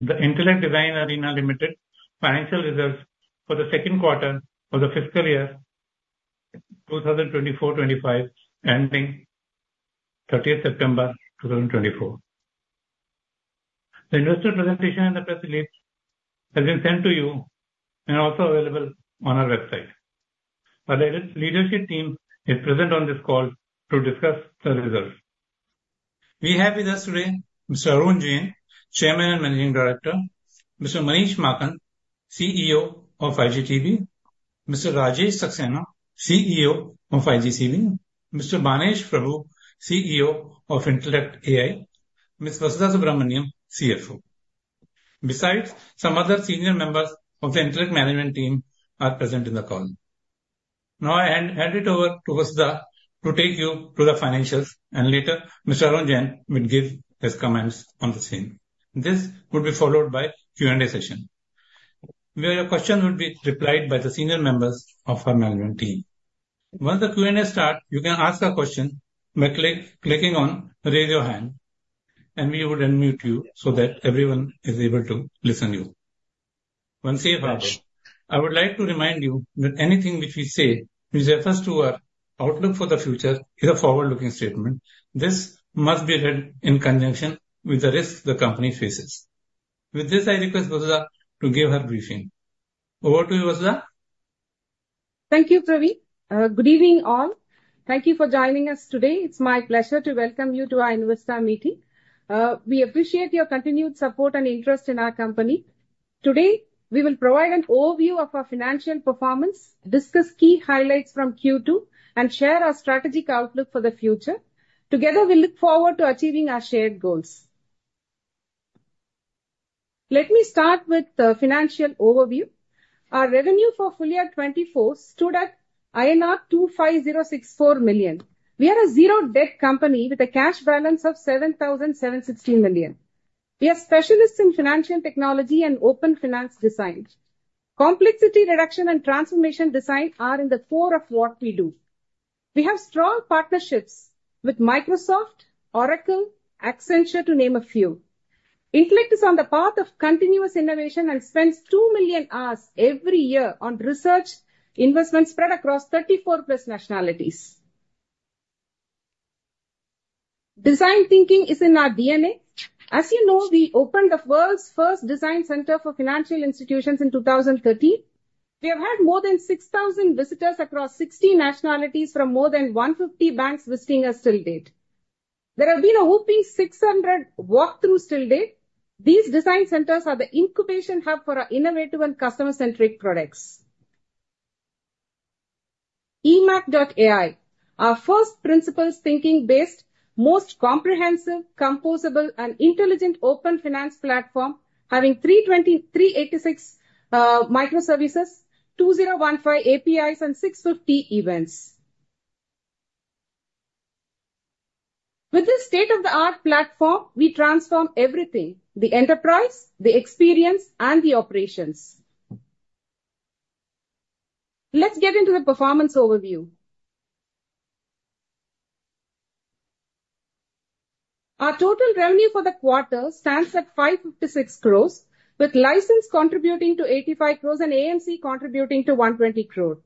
The Intellect Design Arena Limited Financial Results for The Q2 of The Fiscal Year 2024, 2025, Ending 30th September 2024. The investor presentation and the press release has been sent to you and are also available on our website. Our leadership team is present on this call to discuss the results. We have with us today Mr. Arun Jain, Chairman and Managing Director; Mr. Manish Maakan, CEO of iGTB; Mr. Rajesh Saxena, CEO of iGCB; Mr. Banesh Prabhu, CEO of Intellect AI; Ms. Vasudha Subramaniam, CFO. Besides, some other senior members of the Intellect management team are present in the call. Now, I hand it over to Vasudha to take you through the financials, and later, Mr. Arun Jain will give his comments on the same. This will be followed by Q&A session, where your questions will be replied by the senior members of our management team. Once the Q&A start, you can ask a question by clicking on Raise Your Hand, and we would unmute you so that everyone is able to listen you. One safe option, I would like to remind you that anything which we say with reference to our outlook for the future is a forward-looking statement. This must be read in conjunction with the risks the company faces. With this, I request Vasudha to give her briefing. Over to you, Vasudha. Thank you, Praveen. Good evening, all. Thank you for joining us today. It's my pleasure to welcome you to our investor meeting. We appreciate your continued support and interest in our company. Today, we will provide an overview of our financial performance, discuss key highlights from Q2, and share our strategic outlook for the future. Together, we look forward to achieving our shared goals. Let me start with the financial overview. Our revenue for full year 2024 stood at INR 250.64 million. We are a zero-debt company with a cash balance of 7,716 million. We are specialists in financial technology and open finance design. Complexity reduction and transformation design are in the core of what we do. We have strong partnerships with Microsoft, Oracle, Accenture, to name a few. Intellect is on the path of continuous innovation and spends 2 million hours every year on research investments spread across 34+ nationalities. Design thinking is in our DNA. As you know, we opened the world's first design center for financial institutions in 2013. We have had more than 6,000 visitors across 60 nationalities from more than 150 banks visiting us till date. There have been over 600 walk-throughs till date. These design centers are the incubation hub for our innovative and customer-centric products. eMACH.ai, our first principles thinking-based, most comprehensive, composable and intelligent open finance platform, having 320, 386 microservices, 2,015 APIs, and 650 events. With this state-of-the-art platform, we transform everything: the enterprise, the experience, and the operations. Let's get into the performance overview. Our total revenue for the quarter stands at 556 crores, with license contributing to 85 crores and AMC contributing to 120 crores.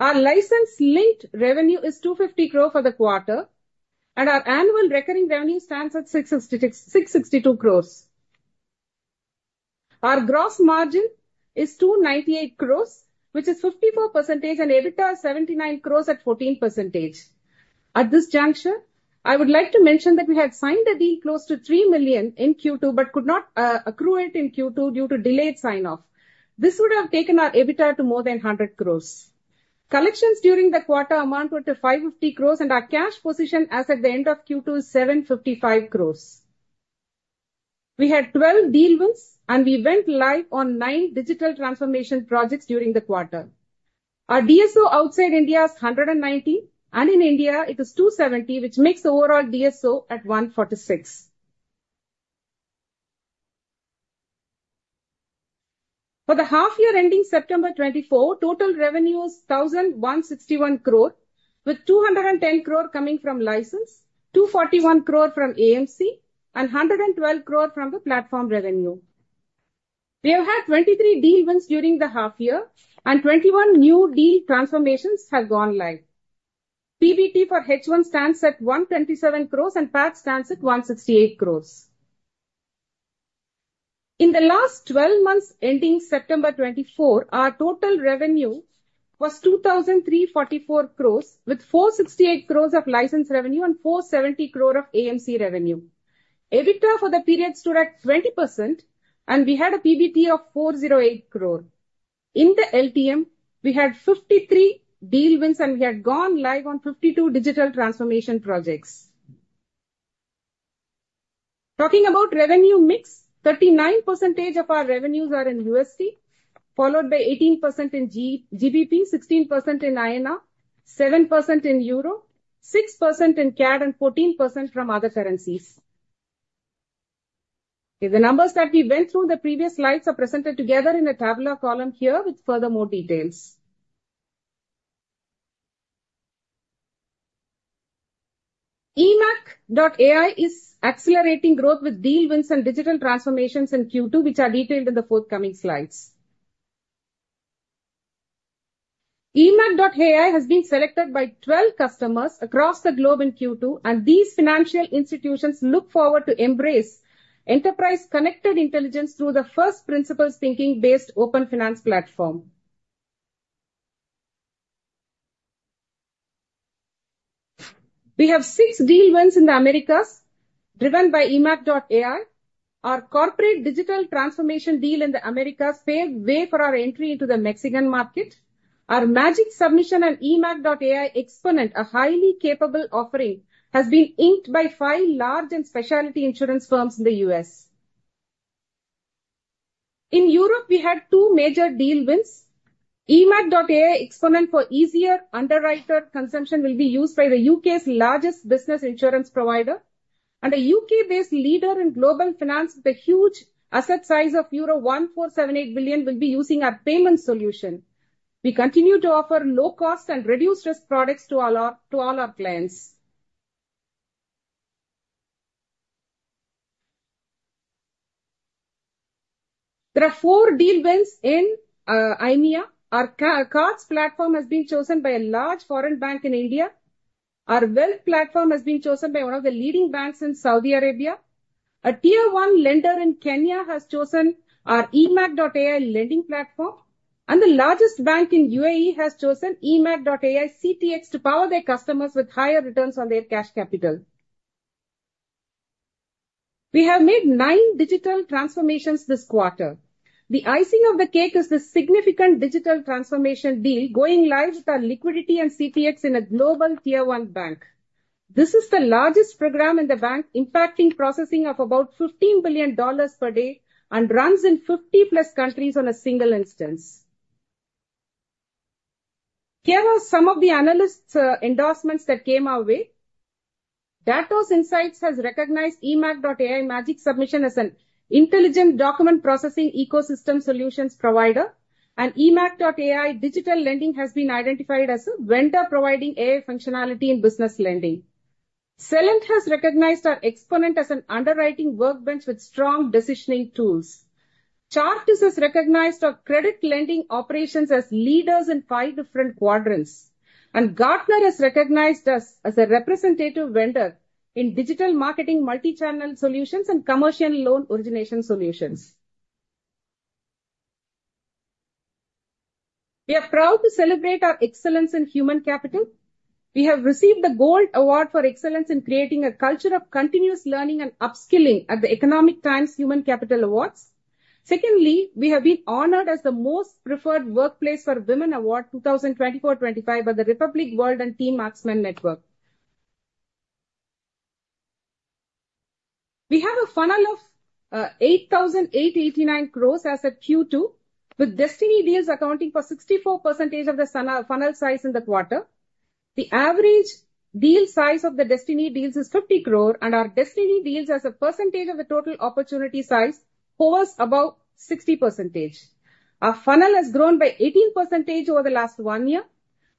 Our license linked revenue is 250 crores for the quarter, and our annual recurring revenue stands at 666.62 crores. Our gross margin is 298 crores, which is 54%, and EBITDA is 79 crores at 14%. At this juncture, I would like to mention that we had signed a deal close to $3 million in Q2, but could not accrue it in Q2 due to delayed sign-off. This would have taken our EBITDA to more than 100 crores. Collections during the quarter amounted to 550 crores, and our cash position as at the end of Q2 is 755 crores. We had 12 deal wins, and we went live on 9 digital transformation projects during the quarter. Our DSO outside India is 190, and in India it is 270, which makes the overall DSO at 146. For the half year ending September 2024, total revenue is 1,161 crore, with 210 crore coming from license, 241 crore from AMC, and 112 crore from the platform revenue. We have had 23 deal wins during the half year, and 21 new deal transformations have gone live. PBT for H1 stands at 127 crore, and PAT stands at 168 crore. In the last twelve months, ending September 2024, our total revenue was 2,344 crore, with 468 crore of license revenue and 470 crore of AMC revenue. EBITDA for the period stood at 20%, and we had a PBT of 408 crore. In the LTM, we had 53 deal wins, and we had gone live on 52 digital transformation projects. Talking about revenue mix, 39% of our revenues are in USD, followed by 18% in GBP, 16% in INR, 7% in EUR, 6% in CAD and 14% from other currencies. The numbers that we went through in the previous slides are presented together in a tabular column here with furthermore details. eMACH.ai is accelerating growth with deal wins and digital transformations in Q2, which are detailed in the forthcoming slides. eMACH.ai has been selected by 12 customers across the globe in Q2, and these financial institutions look forward to embrace enterprise connected intelligence through the first principles thinking-based open finance platform. We have six deal wins in the Americas, driven by eMACH.ai. Our corporate digital transformation deal in the Americas paved way for our entry into the Mexican market. Our Magic Submission on eMACH.ai Xponent, a highly capable offering, has been inked by five large and specialty insurance firms in the US. In Europe, we had two major deal wins. eMACH.ai Xponent for easier underwriter consumption will be used by the UK's largest business insurance provider, and a UK-based leader in global finance with a huge asset size of euro 1,478 billion, will be using our payment solution. We continue to offer low cost and reduced risk products to all our clients. There are four deal wins in IMEA. Our cards platform has been chosen by a large foreign bank in India. Our wealth platform has been chosen by one of the leading banks in Saudi Arabia. A tier one lender in Kenya has chosen our eMACH.ai lending platform, and the largest bank in UAE has chosen eMACH.ai CTX to power their customers with higher returns on their cash capital. We have made nine digital transformations this quarter. The icing on the cake is the significant digital transformation deal going live with our Liquidity and CTX in a global tier one bank. This is the largest program in the bank, impacting processing of about $15 billion per day and runs in 50-plus countries on a single instance. Here are some of the analysts' endorsements that came our way. Datos Insights has recognized eMACH.ai Magic Submission as an intelligent document processing ecosystem solutions provider, and eMACH.ai digital lending has been identified as a vendor providing AI functionality in business lending. Celent has recognized our Xponent as an underwriting workbench with strong decisioning tools. Chartis has recognized our credit lending operations as leaders in five different quadrants, and Gartner has recognized us as a representative vendor in digital marketing, multi-channel solutions, and commercial loan origination solutions. We are proud to celebrate our excellence in human capital. We have received the Gold Award for excellence in creating a culture of continuous learning and upskilling at the Economic Times Human Capital Awards. Secondly, we have been honored as the Most Preferred Workplace for Women Award 2024/2025 by the Republic World and Team Marksmen Network. We have a funnel of eight thousand eight hundred eighty-nine crores as of Q2, with Destiny Deals accounting for 64% of the total funnel size in the quarter. The average deal size of the Destiny Deals is fifty crore, and our Destiny Deals, as a percentage of the total opportunity size, hovers above 60%. Our funnel has grown by 18% over the last one year.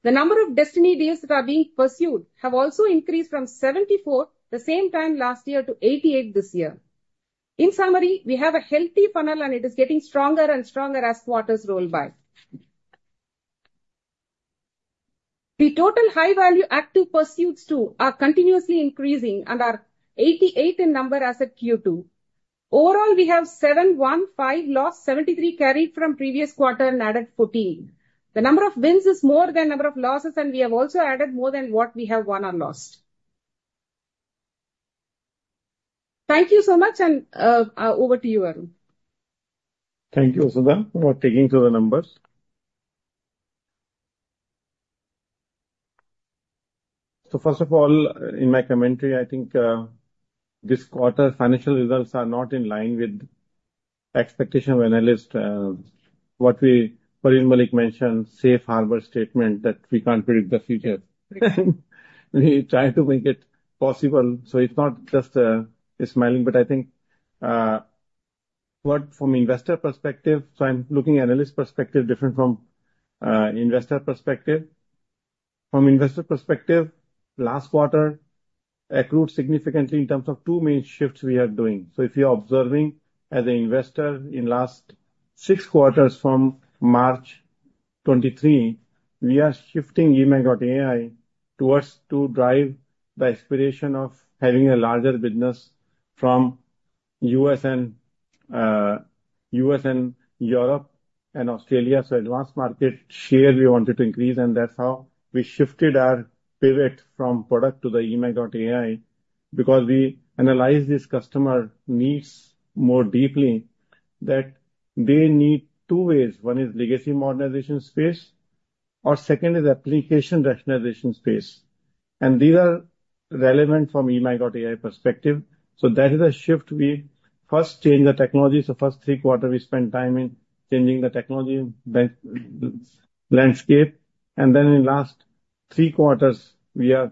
The number of Destiny Deals that are being pursued have also increased from 74 the same time last year to 88 this year. In summary, we have a healthy funnel, and it is getting stronger and stronger as quarters roll by. The total high-value active pursuits, too, are continuously increasing and are 88 in number as of Q2. Overall, we have 71 lost, 73 carried from previous quarter and added 14. The number of wins is more than number of losses, and we have also added more than what we have won or lost. Thank you so much, and over to you, Arun. Thank you, Vasudha, for taking through the numbers. So first of all, in my commentary, I think this quarter's financial results are not in line with expectation of analyst, what we, Praveen Malik mentioned, safe harbor statement, that we can't predict the future. We try to make it possible, so it's not just smiling, but I think what from investor perspective, so I'm looking analyst perspective different from investor perspective. From investor perspective, last quarter accrued significantly in terms of two main shifts we are doing. So if you are observing as an investor in last six quarters from March 2023, we are shifting eMACH.ai towards to drive the aspiration of having a larger business from US and US and Europe and Australia. Advanced market share we wanted to increase, and that's how we shifted our pivot from product to the eMACH.ai, because we analyzed this customer needs more deeply, that they need two ways. One is legacy modernization space, or second is application rationalization space, and these are relevant from eMACH.ai perspective. So that is a shift. We first change the technology, so first three quarter we spent time in changing the technology landscape, and then in last three quarters, we are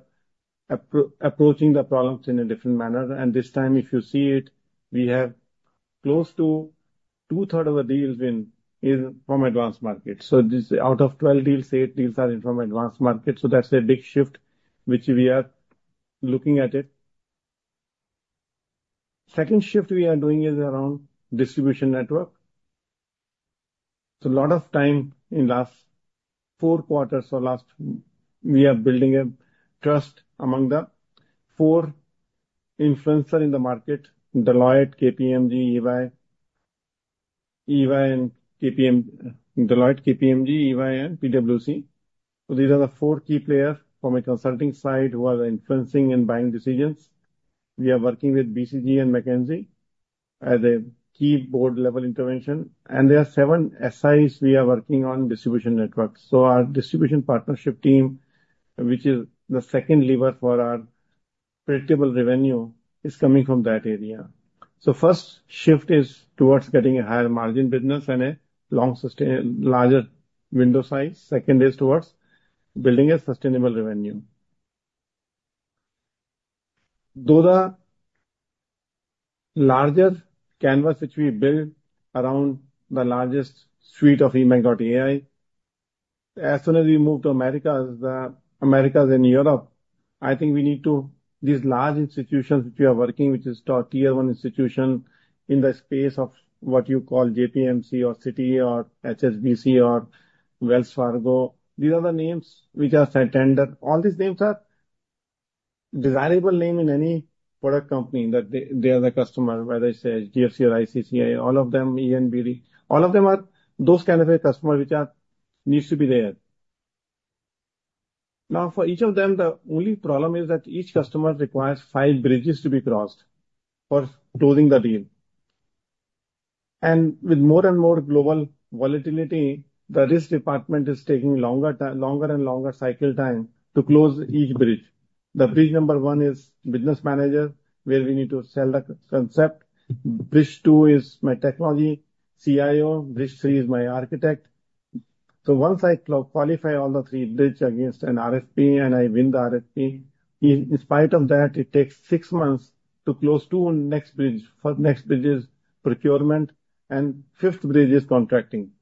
approaching the problems in a different manner. And this time, if you see it, we have close to two-thirds of the deals in, is from advanced markets. So this, out of 12 deals, 8 deals are in from advanced markets. So that's a big shift, which we are looking at it. Second shift we are doing is around distribution network. A lot of time in the last four quarters, we are building trust among the four influencers in the market, Deloitte, KPMG, EY, and PwC. These are the four key players from a consulting side who are influencing buying decisions. We are working with BCG and McKinsey as a key board-level intervention, and there are seven SIs we are working on distribution networks. Our distribution partnership team, which is the second lever for our predictable revenue, is coming from that area. First shift is towards getting a higher margin business and a larger window size. Second is towards building a sustainable revenue. Though the larger canvas which we build around the largest suite of eMACH.ai, as soon as we move to Americas, the Americas and Europe, I think we need to. These large institutions which we are working, which is top tier one institution in the space of what you call JPMC or Citi or HSBC or Wells Fargo, these are the names which are Santander. All these names are desirable name in any product company, that they, they are the customer, whether it's a KCB or ICBC, all of them, ENBD. All of them are those kind of a customer which are, needs to be there. Now, for each of them, the only problem is that each customer requires five bridges to be crossed for closing the deal. And with more and more global volatility, the risk department is taking longer and longer cycle time to close each bridge. The bridge number one is business manager, where we need to sell the concept. Bridge two is my technology CIO. Bridge three is my architect. So once I qualify all the three bridge against an RFP, and I win the RFP, in spite of that, it takes six months to close two next bridge. First next bridge is procurement, and fifth bridge is contracting.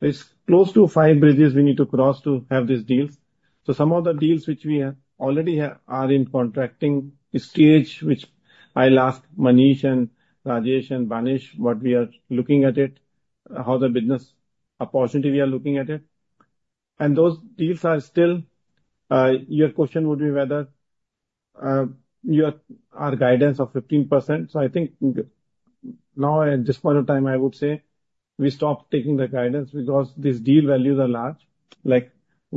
It's close to five bridges we need to cross to have these deals. Some of the deals which we are already are in contracting stage, which I'll ask Manish and Rajesh and Manish, what we are looking at it, how the business opportunity we are looking at it. Those deals are still. Your question would be whether, your, our guidance of 15%. So I think now, at this point of time, I would say we stopped taking the guidance because these deal values are large. Like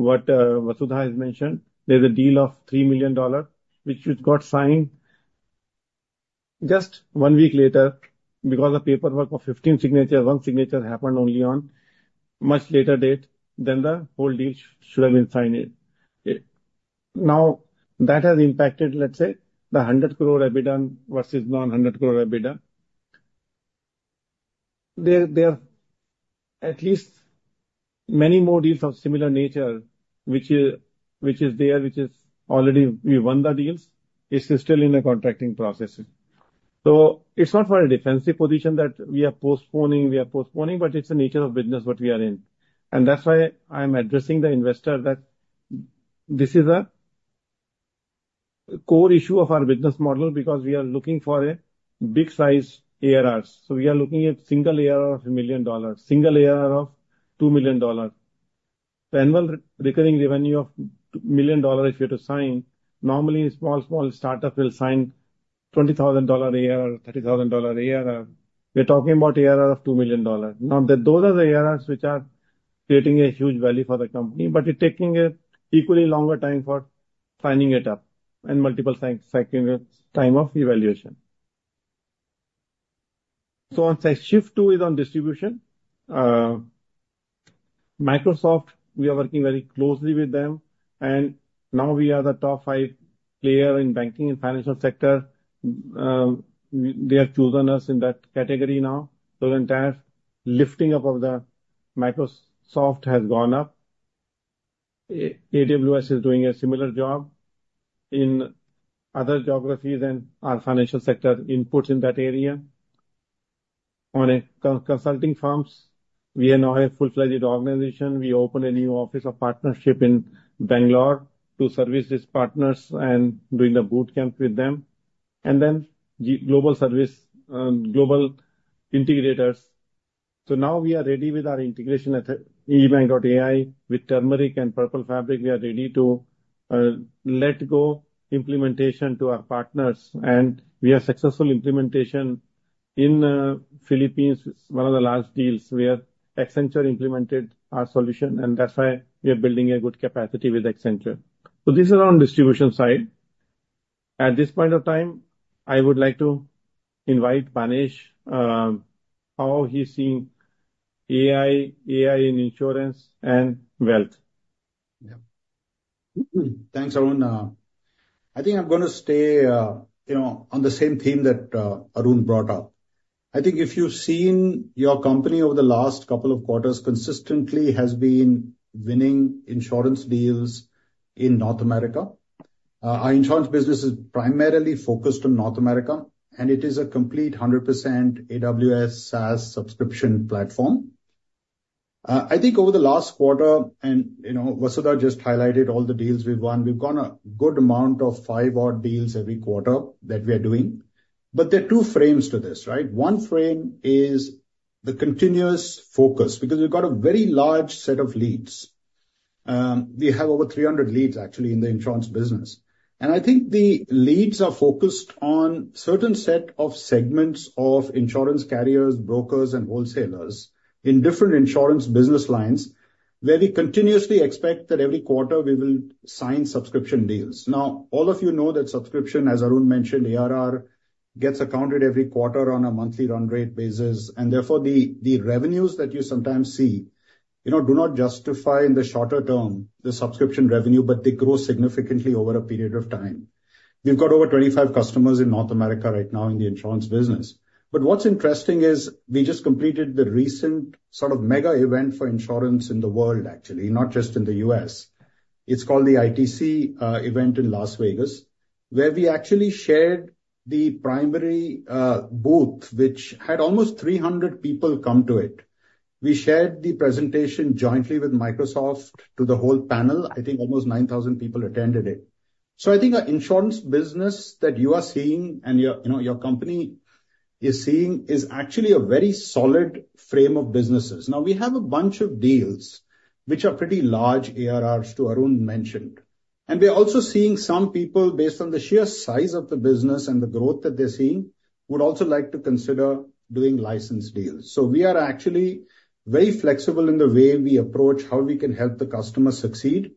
what Vasudha has mentioned, there's a deal of $3 million which got signed just one week later, because of paperwork of 15 signatures, one signature happened only on much later date than the whole deal should have been signed it. Now, that has impacted, let's say, the 100 crore EBITDA versus non-100 crore EBITDA. There are at least many more deals of similar nature, which is there, which we already won the deals. It's still in the contracting process. So it's not for a defensive position that we are postponing, we are postponing, but it's the nature of business what we are in. And that's why I'm addressing the investor, that this is a core issue of our business model, because we are looking for big size ARRs. So we are looking at single ARR of $1 million, single ARR of $2 million. The annual recurring revenue of $2 million, if you have to sign, normally, a small, small start-up will sign $20,000 ARR, $30,000 ARR. We're talking about ARR of $2 million. Now, those are the ARRs which are creating a huge value for the company, but it's taking an equally longer time for signing it up and multiple signing, time of evaluation. So on, say, shift two is on distribution. Microsoft, we are working very closely with them, and now we are the top five player in banking and financial sector. They have chosen us in that category now. So the entire lifting up of the Microsoft has gone up. AWS is doing a similar job in other geographies and our financial sector inputs in that area. On consulting firms, we are now a full-fledged organization. We opened a new office of partnership in Bangalore to service these partners and doing a boot camp with them. And then global service, global integrators. So now we are ready with our integration at eMACH.ai. With Turmeric and Purple Fabric, we are ready to let go implementation to our partners, and we are successful implementation in Philippines. It's one of the large deals where Accenture implemented our solution, and that's why we are building a good capacity with Accenture. So this is on distribution side. At this point of time, I would like to invite Manish, how he's seeing AI, AI in insurance and wealth. Yeah. Thanks, Arun. I think I'm gonna stay, you know, on the same theme that Arun brought up. I think if you've seen your company over the last couple of quarters, consistently has been winning insurance deals in North America. Our insurance business is primarily focused on North America, and it is a complete 100% AWS SaaS subscription platform. I think over the last quarter, and, you know, Vasudha just highlighted all the deals we've won. We've got a good amount of five odd deals every quarter that we are doing. But there are two frames to this, right? One frame is the continuous focus, because we've got a very large set of leads. We have over 300 leads actually in the insurance business. And I think the leads are focused on certain set of segments of insurance carriers, brokers, and wholesalers in different insurance business lines, where we continuously expect that every quarter we will sign subscription deals. Now, all of you know that subscription, as Arun mentioned, ARR, gets accounted every quarter on a monthly run rate basis, and therefore the revenues that you sometimes see, you know, do not justify in the shorter term, the subscription revenue, but they grow significantly over a period of time. We've got over 25 customers in North America right now in the insurance business. But what's interesting is we just completed the recent sort of mega event for insurance in the world, actually, not just in the US. It's called the ITC event in Las Vegas, where we actually shared the primary booth, which had almost 300 people come to it. We shared the presentation jointly with Microsoft to the whole panel. I think almost 9,000 people attended it. So I think our insurance business that you are seeing and your, you know, your company is seeing, is actually a very solid frame of businesses. Now, we have a bunch of deals which are pretty large ARRs, too, Arun mentioned. And we are also seeing some people, based on the sheer size of the business and the growth that they're seeing, would also like to consider doing licensed deals. So we are actually very flexible in the way we approach how we can help the customer succeed.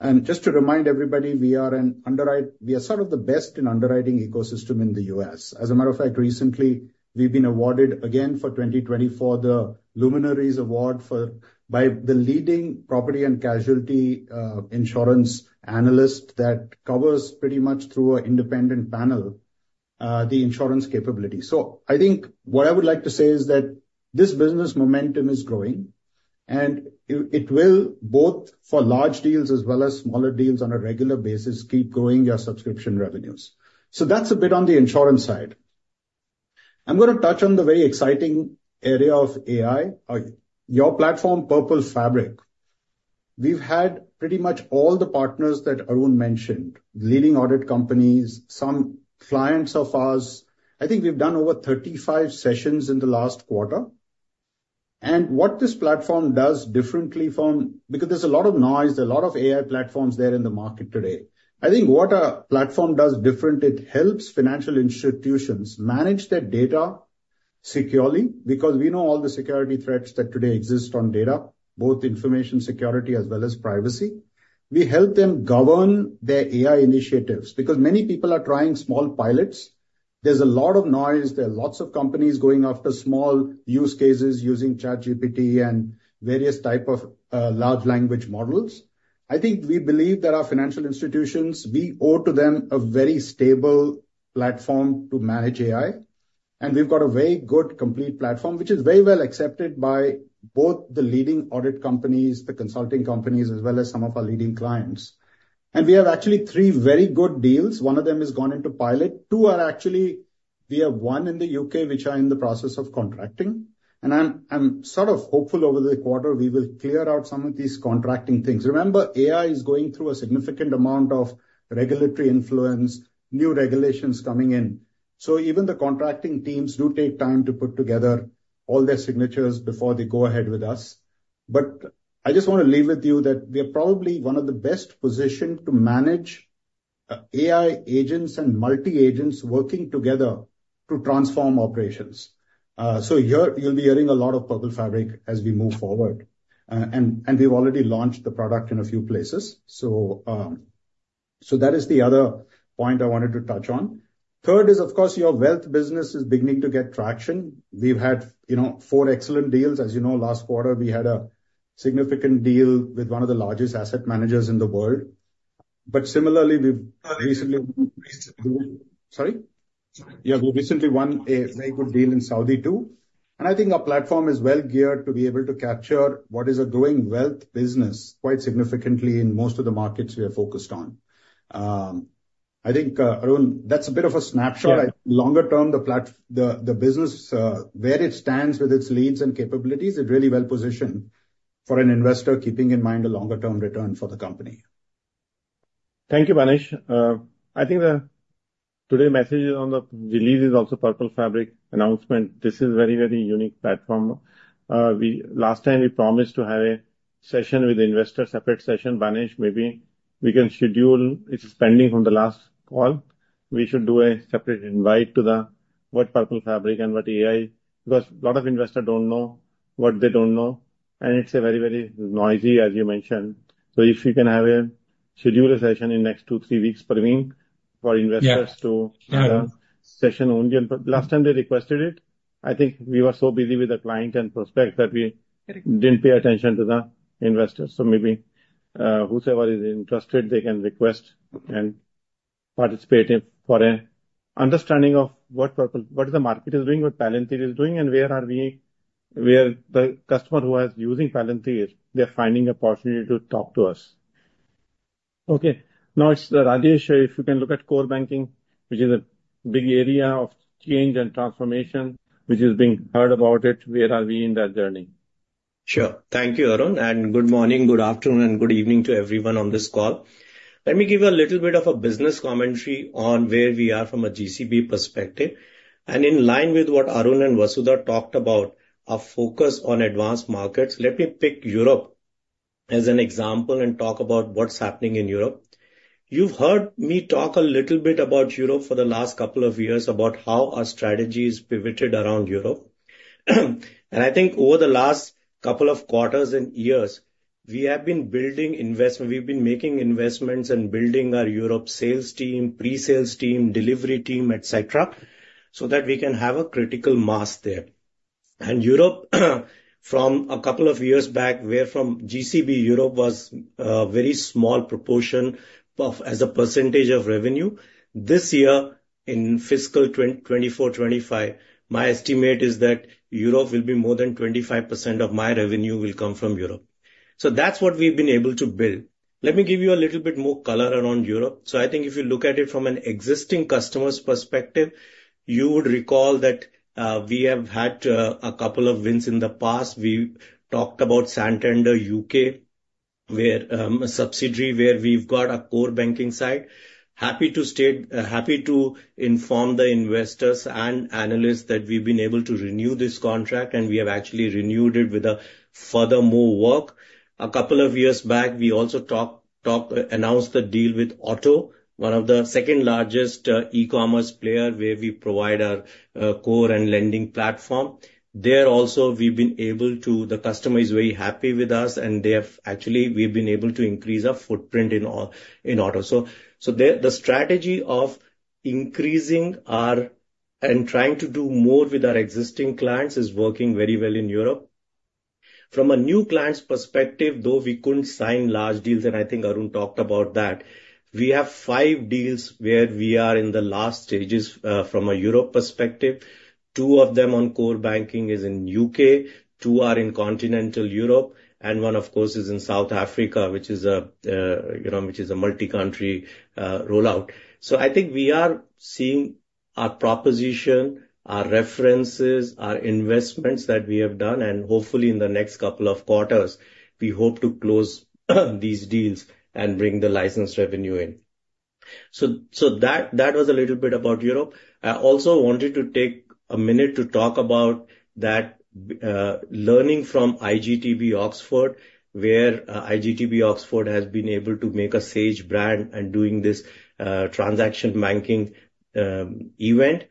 And just to remind everybody, we are an underwrite - we are sort of the best in underwriting ecosystem in the U.S. As a matter of fact, recently, we've been awarded again for 2020 for the Luminaries Award by the leading property and casualty insurance analyst that covers pretty much through an independent panel the insurance capability. I think what I would like to say is that this business momentum is growing, and it will both for large deals as well as smaller deals on a regular basis keep growing our subscription revenues. That's a bit on the insurance side. I'm gonna touch on the very exciting area of AI, your platform, Purple Fabric. We've had pretty much all the partners that Arun mentioned, leading audit companies, some clients of ours. I think we've done over 35 sessions in the last quarter. What this platform does differently from others, because there's a lot of noise, there are a lot of AI platforms there in the market today. I think what our platform does different, it helps financial institutions manage their data securely, because we know all the security threats that today exist on data, both information security as well as privacy. We help them govern their AI initiatives, because many people are trying small pilots. There's a lot of noise, there are lots of companies going after small use cases using ChatGPT and various type of large language models. I think we believe that our financial institutions, we owe to them a very stable platform to manage AI, and we've got a very good complete platform, which is very well accepted by both the leading audit companies, the consulting companies, as well as some of our leading clients. And we have actually three very good deals. One of them has gone into pilot. Two are actually we have one in the U.K., which are in the process of contracting. And I'm sort of hopeful over the quarter, we will clear out some of these contracting things. Remember, AI is going through a significant amount of regulatory influence, new regulations coming in. So even the contracting teams do take time to put together all their signatures before they go ahead with us. But I just want to leave with you that we are probably one of the best positioned to manage AI agents and multi-agents working together to transform operations. So you're, you'll be hearing a lot of Purple Fabric as we move forward. And we've already launched the product in a few places. So, so that is the other point I wanted to touch on. Third is, of course, your wealth business is beginning to get traction. We've had, you know, four excellent deals. As you know, last quarter, we had a significant deal with one of the largest asset managers in the world. But similarly, we've recently-- Sorry? Yeah, we recently won a very good deal in Saudi, too. And I think our platform is well geared to be able to capture what is a growing wealth business quite significantly in most of the markets we are focused on. I think, Arun, that's a bit of a snapshot. Yeah. Longer term, the business, where it stands with its leads and capabilities, is really well positioned for an investor, keeping in mind a longer-term return for the company. Thank you, Manish. I think today's message on the release is also Purple Fabric announcement. This is very, very unique platform. We last time we promised to have a session with the investor, separate session, Manish, maybe we can schedule. It's pending from the last call. We should do a separate invite to the what Purple Fabric and what AI, because a lot of investors don't know what they don't know, and it's a very, very noisy, as you mentioned. So if you can have schedule a session in next two, three weeks, Praveen, for investors- Yes. to have a session only. Last time they requested it, I think we were so busy with the client and prospects that we didn't pay attention to the investors. So maybe, whosoever is interested, they can request and participate in for an understanding of what Purple—what the market is doing, what Palantir is doing, and where the customer who was using Palantir, they're finding an opportunity to talk to us. Okay, now it's Rajesh, if you can look at core banking, which is a big area of change and transformation, which is being heard about it, where are we in that journey? Sure. Thank you, Arun, and good morning, good afternoon, and good evening to everyone on this call. Let me give you a little bit of a business commentary on where we are from a GCB perspective. And in line with what Arun and Vasudha talked about, our focus on advanced markets. Let me pick Europe as an example, and talk about what's happening in Europe. You've heard me talk a little bit about Europe for the last couple of years, about how our strategy is pivoted around Europe. And I think over the last couple of quarters and years, we have been making investments and building our Europe sales team, pre-sales team, delivery team, et cetera, so that we can have a critical mass there. Europe, from a couple of years back, where from GCB, Europe was a very small proportion of, as a percentage of revenue. This year, in fiscal 2024-25, my estimate is that Europe will be more than 25% of my revenue will come from Europe. That's what we've been able to build. Let me give you a little bit more color around Europe. I think if you look at it from an existing customer's perspective, you would recall that, we have had, a couple of wins in the past. We talked about Santander UK, where, a subsidiary where we've got a core banking side. Happy to inform the investors and analysts that we've been able to renew this contract, and we have actually renewed it with a further more work. A couple of years back, we also talked announced the deal with Otto, one of the second-largest e-commerce player, where we provide our core and lending platform. There also, we've been able to. The customer is very happy with us, and they have actually we've been able to increase our footprint in Otto. So the strategy of increasing our and trying to do more with our existing clients is working very well in Europe. From a new client's perspective, though, we couldn't sign large deals, and I think Arun talked about that. We have five deals where we are in the last stages from a Europe perspective. Two of them on core banking is in U.K., two are in continental Europe, and one, of course, is in South Africa, which is a you know which is a multi-country rollout. So I think we are seeing our proposition, our references, our investments that we have done, and hopefully in the next couple of quarters, we hope to close these deals and bring the license revenue in. So that was a little bit about Europe. I also wanted to take a minute to talk about that learning from iGTB Oxford, where iGTB Oxford has been able to make a Sage brand and doing this transaction banking event.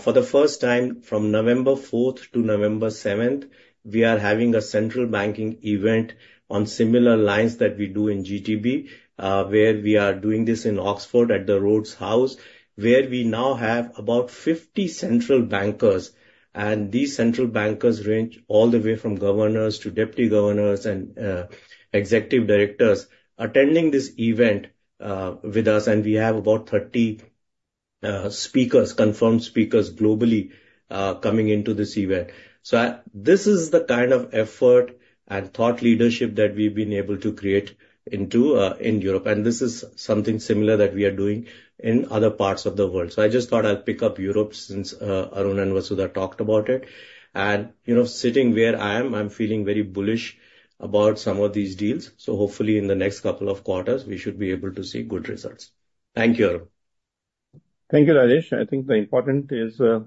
For the first time, from November fourth to November seventh, we are having a central banking event on similar lines that we do in GTB, where we are doing this in Oxford at the Rhodes House, where we now have about 50 central bankers. These central bankers range all the way from governors to deputy governors and, executive directors, attending this event, with us. We have about 30 speakers, confirmed speakers globally, coming into this event. This is the kind of effort and thought leadership that we've been able to create into, in Europe, and this is something similar that we are doing in other parts of the world. I just thought I'd pick up Europe since Arun and Vasudha talked about it. You know, sitting where I am, I'm feeling very bullish about some of these deals, so hopefully in the next couple of quarters, we should be able to see good results. Thank you, Arun. Thank you, Rajesh. I think the important is, the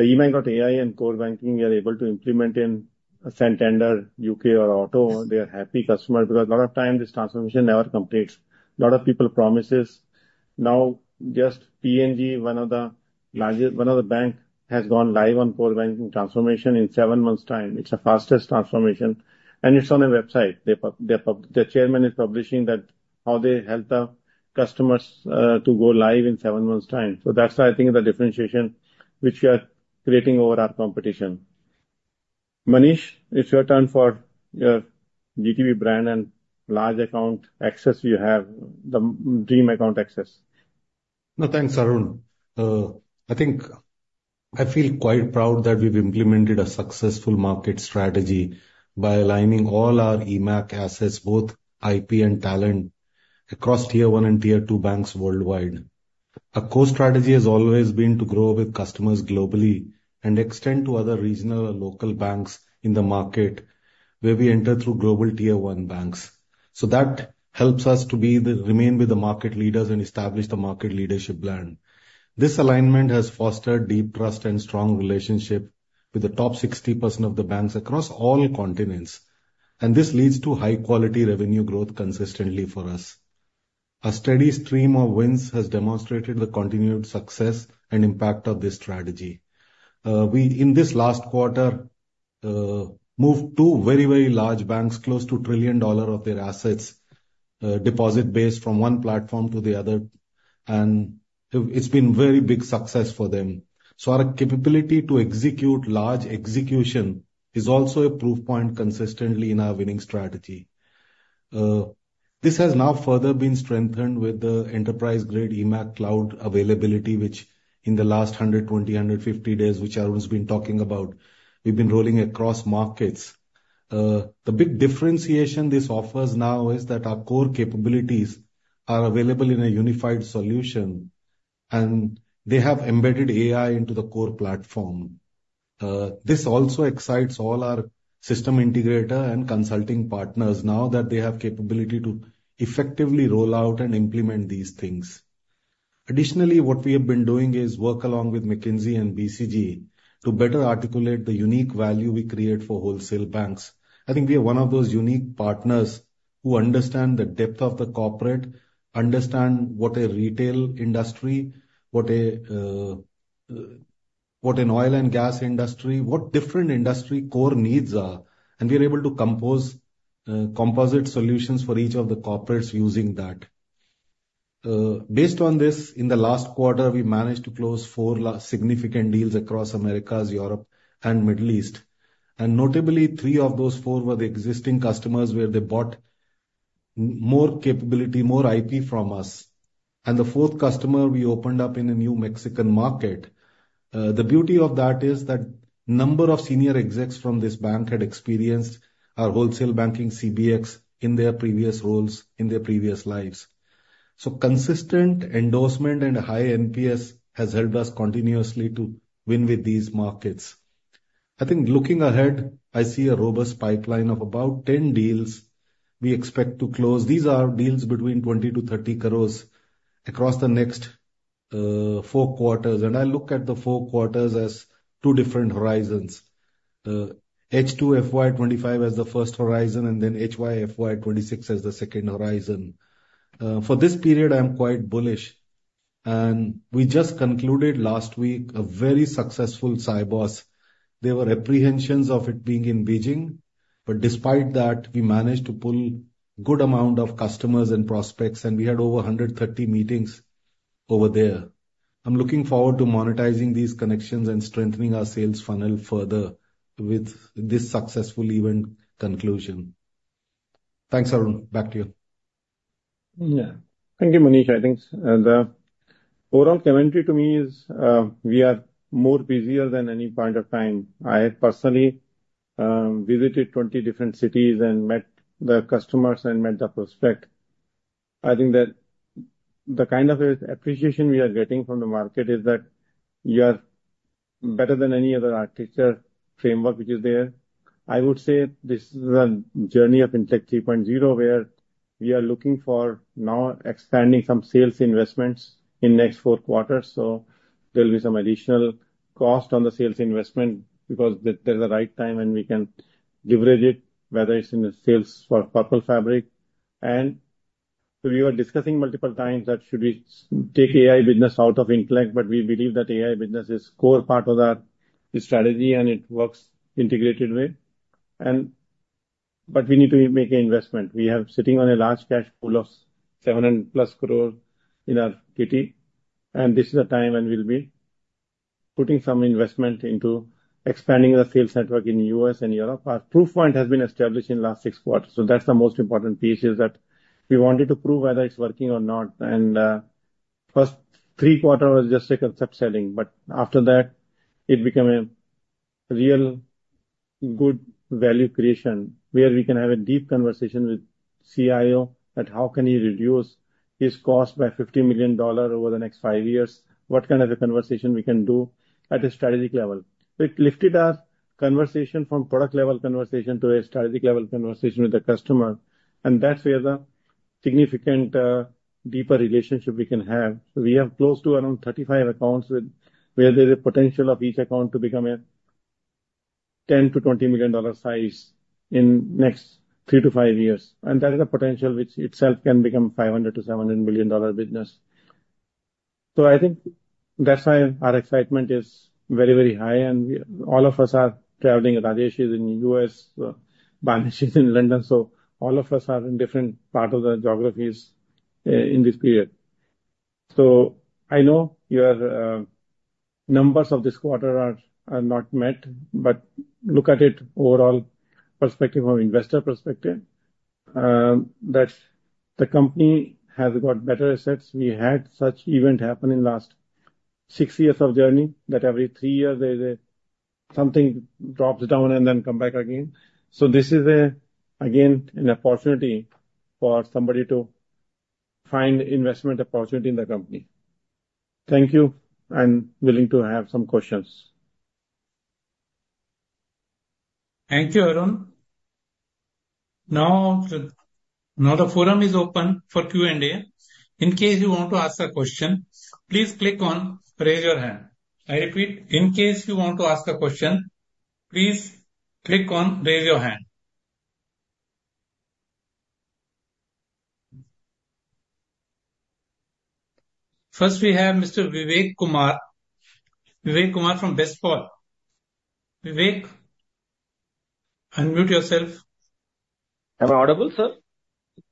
eMACH.ai and core banking are able to implement in Santander UK or Otto. They are happy customers because a lot of time, this transformation never completes. A lot of people promises. Now, just PNB, one of the largest, one of the bank, has gone live on core banking transformation in seven months' time. It's the fastest transformation, and it's on their website. The chairman is publishing that, how they helped the customers, to go live in seven months' time. So that's why I think the differentiation which we are creating over our competition. Manish, it's your turn for your GTB brand and large account access you have, the dream account access. No, thanks, Arun. I think I feel quite proud that we've implemented a successful market strategy by aligning all our eMACH assets, both IP and talent, across Tier One and Tier Two banks worldwide. Our core strategy has always been to grow with customers globally and extend to other regional or local banks in the market, where we enter through global Tier One banks. So that helps us to be the, remain with the market leaders and establish the market leadership brand. This alignment has fostered deep trust and strong relationship with the top 60% of the banks across all continents, and this leads to high-quality revenue growth consistently for us. A steady stream of wins has demonstrated the continued success and impact of this strategy. We, in this last quarter, moved two very, very large banks, close to $1 trillion of their assets, deposit base, from one platform to the other, and it, it's been very big success for them. So our capability to execute large execution is also a proof point consistently in our winning strategy. This has now further been strengthened with the enterprise-grade eMACH cloud availability, which in the last 120-150 days, which Arun's been talking about, we've been rolling across markets. The big differentiation this offers now is that our core capabilities are available in a unified solution, and they have embedded AI into the core platform. This also excites all our system integrator and consulting partners now that they have capability to effectively roll out and implement these things. Additionally, what we have been doing is work along with McKinsey and BCG to better articulate the unique value we create for wholesale banks. I think we are one of those unique partners who understand the depth of the corporate, understand what a retail industry, what a, what an oil and gas industry, what different industry core needs are, and we are able to compose, composite solutions for each of the corporates using that. Based on this, in the last quarter, we managed to close four significant deals across Americas, Europe, and Middle East. And notably, three of those four were the existing customers, where they bought more capability, more IP from us. And the fourth customer, we opened up in a new Mexican market. The beauty of that is that number of senior execs from this bank had experienced our wholesale banking CBX in their previous roles, in their previous lives. So consistent endorsement and high NPS has helped us continuously to win with these markets. I think looking ahead, I see a robust pipeline of about 10 deals we expect to close. These are deals between 20-30 crores across the next four quarters. And I look at the four quarters as two different horizons. H2 FY 2025 as the first horizon, and then HY FY 2026 as the second horizon. For this period, I am quite bullish. And we just concluded last week a very successful Sibos. There were apprehensions of it being in Beijing, but despite that, we managed to pull good amount of customers and prospects, and we had over 130 meetings over there. I'm looking forward to monetizing these connections and strengthening our sales funnel further with this successful event conclusion. Thanks, Arun. Back to you. Yeah. Thank you, Manish. I think, the overall commentary to me is, we are more busier than any point of time. I have personally visited 20 different cities and met the customers and met the prospect. I think that the kind of appreciation we are getting from the market is that you are better than any other architecture framework which is there. I would say this is a journey of Intellect 3.0, where we are looking for now expanding some sales investments in next 4 quarters. So there'll be some additional cost on the sales investment because that there's a right time, and we can leverage it, whether it's in the sales for Purple Fabric. We were discussing multiple times that should we take AI business out of Intellect, but we believe that AI business is core part of our strategy, and it works integrated way, but we need to make an investment. We are sitting on a large cash pool of 700+ crore in our kitty, and this is a time when we'll be putting some investment into expanding the sales network in U.S. and Europe. Our proof point has been established in last six quarters, so that's the most important piece, is that we wanted to prove whether it's working or not. First three quarter was just a concept selling, but after that, it become a real good value creation, where we can have a deep conversation with CIO on how can he reduce his cost by $50 million over the next five years? What kind of a conversation we can do at a strategic level? It lifted our conversation from product level conversation to a strategic level conversation with the customer, and that's where the significant, deeper relationship we can have. We have close to around 35 accounts where there's a potential of each account to become a $10-20 million size in next 3-5 years. And that is a potential which itself can become $500-700 million business. So I think that's why our excitement is very, very high, and we, all of us are traveling. Rajesh is in the U.S., Manish is in London, so all of us are in different part of the geographies, in this period. So I know your numbers of this quarter are not met, but look at it overall perspective, from investor perspective, that the company has got better assets. We had such event happen in last six years of journey, that every three years there is a something drops down and then come back again. So this is again, an opportunity for somebody to find investment opportunity in the company. Thank you, and willing to have some questions. Thank you, Arun. Now the forum is open for Q&A. In case you want to ask a question, please click on Raise Your Hand. I repeat, in case you want to ask a question, please click on Raise Your Hand. First, we have Mr. Vivek Kumar. Vivek Kumar from Bestpals. Vivek, unmute yourself. Am I audible, sir?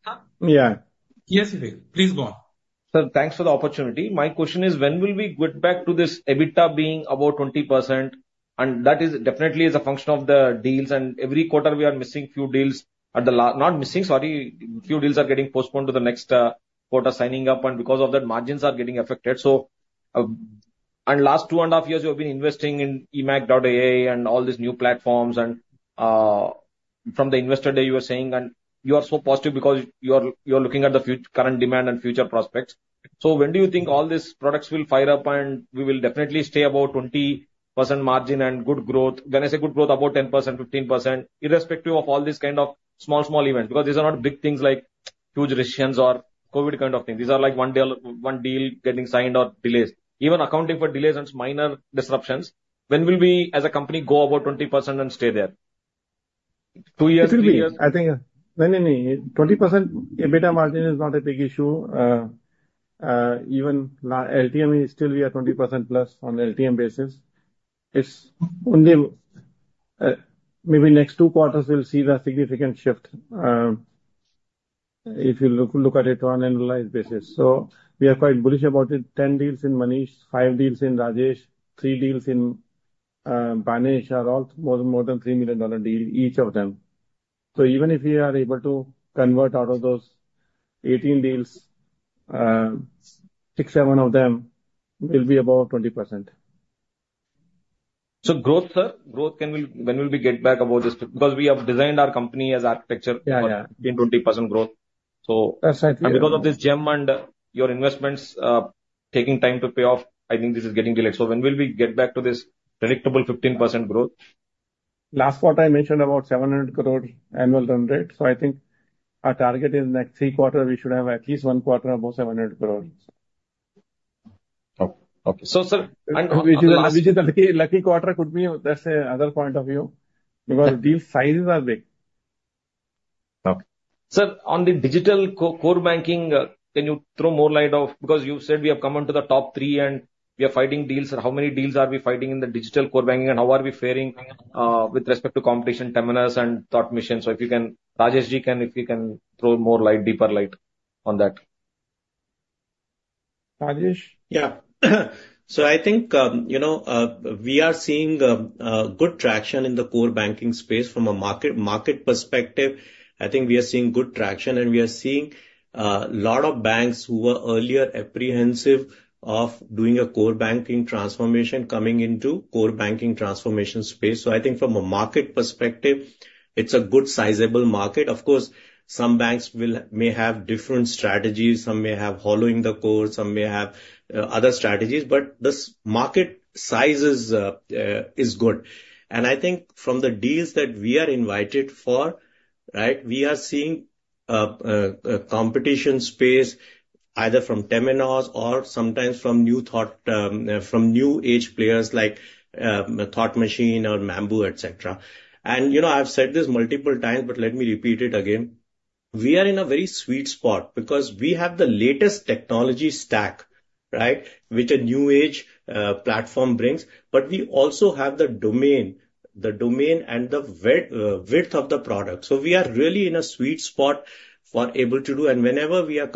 Huh? Yeah. Yes, Vivek, please go on. Sir, thanks for the opportunity. My question is: when will we get back to this EBITDA being above 20%? And that is definitely a function of the deals, and every quarter, we are missing few deals at the – not missing, sorry, few deals are getting postponed to the next quarter signing up, and because of that, margins are getting affected. And last two and a half years, you have been investing in eMACH.ai and all these new platforms, and, from the investor day, you were saying, and you are so positive because you are looking at the current demand and future prospects. So when do you think all these products will fire up, and we will definitely stay above 20% margin and good growth? When I say good growth, about 10%, 15%, irrespective of all these kind of small, small events, because these are not big things like huge recessions or COVID kind of thing. These are like one deal, one deal getting signed or delays. Even accounting for delays and minor disruptions, when will we, as a company, go above 20% and stay there? Two years, three years. It will be, I think... No, no, no. 20% EBITDA margin is not a big issue. Even LTM, we still are 20% plus on LTM basis. It's only, maybe next two quarters, we'll see the significant shift, if you look at it on annualized basis. So we are quite bullish about it. 10 deals in Manish, 5 deals in Rajesh, 3 deals in Banesh are all more than $3 million deal, each of them. So even if we are able to convert out of those 18 deals, 6, 7 of them will be above 20%. Growth, sir, growth. When will we get back about this? Because we have designed our company as architecture- Yeah, yeah. in 20% growth. So That's, I think. Because of this GeM and your investments taking time to pay off, I think this is getting delayed, so when will we get back to this predictable 15% growth? Last quarter, I mentioned about 700 crore annual run rate, so I think our target is next three quarter, we should have at least one quarter above 700 crores. Okay. So, sir, and- Which is a lucky, lucky quarter could be, that's another point of view, because deal sizes are big. Okay. Sir, on the digital core banking, can you throw more light on... Because you said we have come on to the top three, and we are fighting deals. And how many deals are we fighting in the digital core banking, and how are we faring with respect to competition, Temenos and Thought Machine? So if you can, Rajeshji, throw more light, deeper light on that. Rajesh? Yeah. So I think, you know, we are seeing good traction in the core banking space. From a market perspective, I think we are seeing good traction, and we are seeing lot of banks who were earlier apprehensive of doing a core banking transformation, coming into core banking transformation space. So I think from a market perspective, it's a good sizable market. Of course, some banks may have different strategies, some may have hollowing the core, some may have other strategies, but this market size is good. And I think from the deals that we are invited for, right, we are seeing a competition space, either from Temenos or sometimes from new age players like Thought Machine or Mambu, et cetera. You know, I've said this multiple times, but let me repeat it again: we are in a very sweet spot because we have the latest technology stack, right? Which a new age platform brings, but we also have the domain and the width of the product. So we are really in a sweet spot for able to do. And whenever we are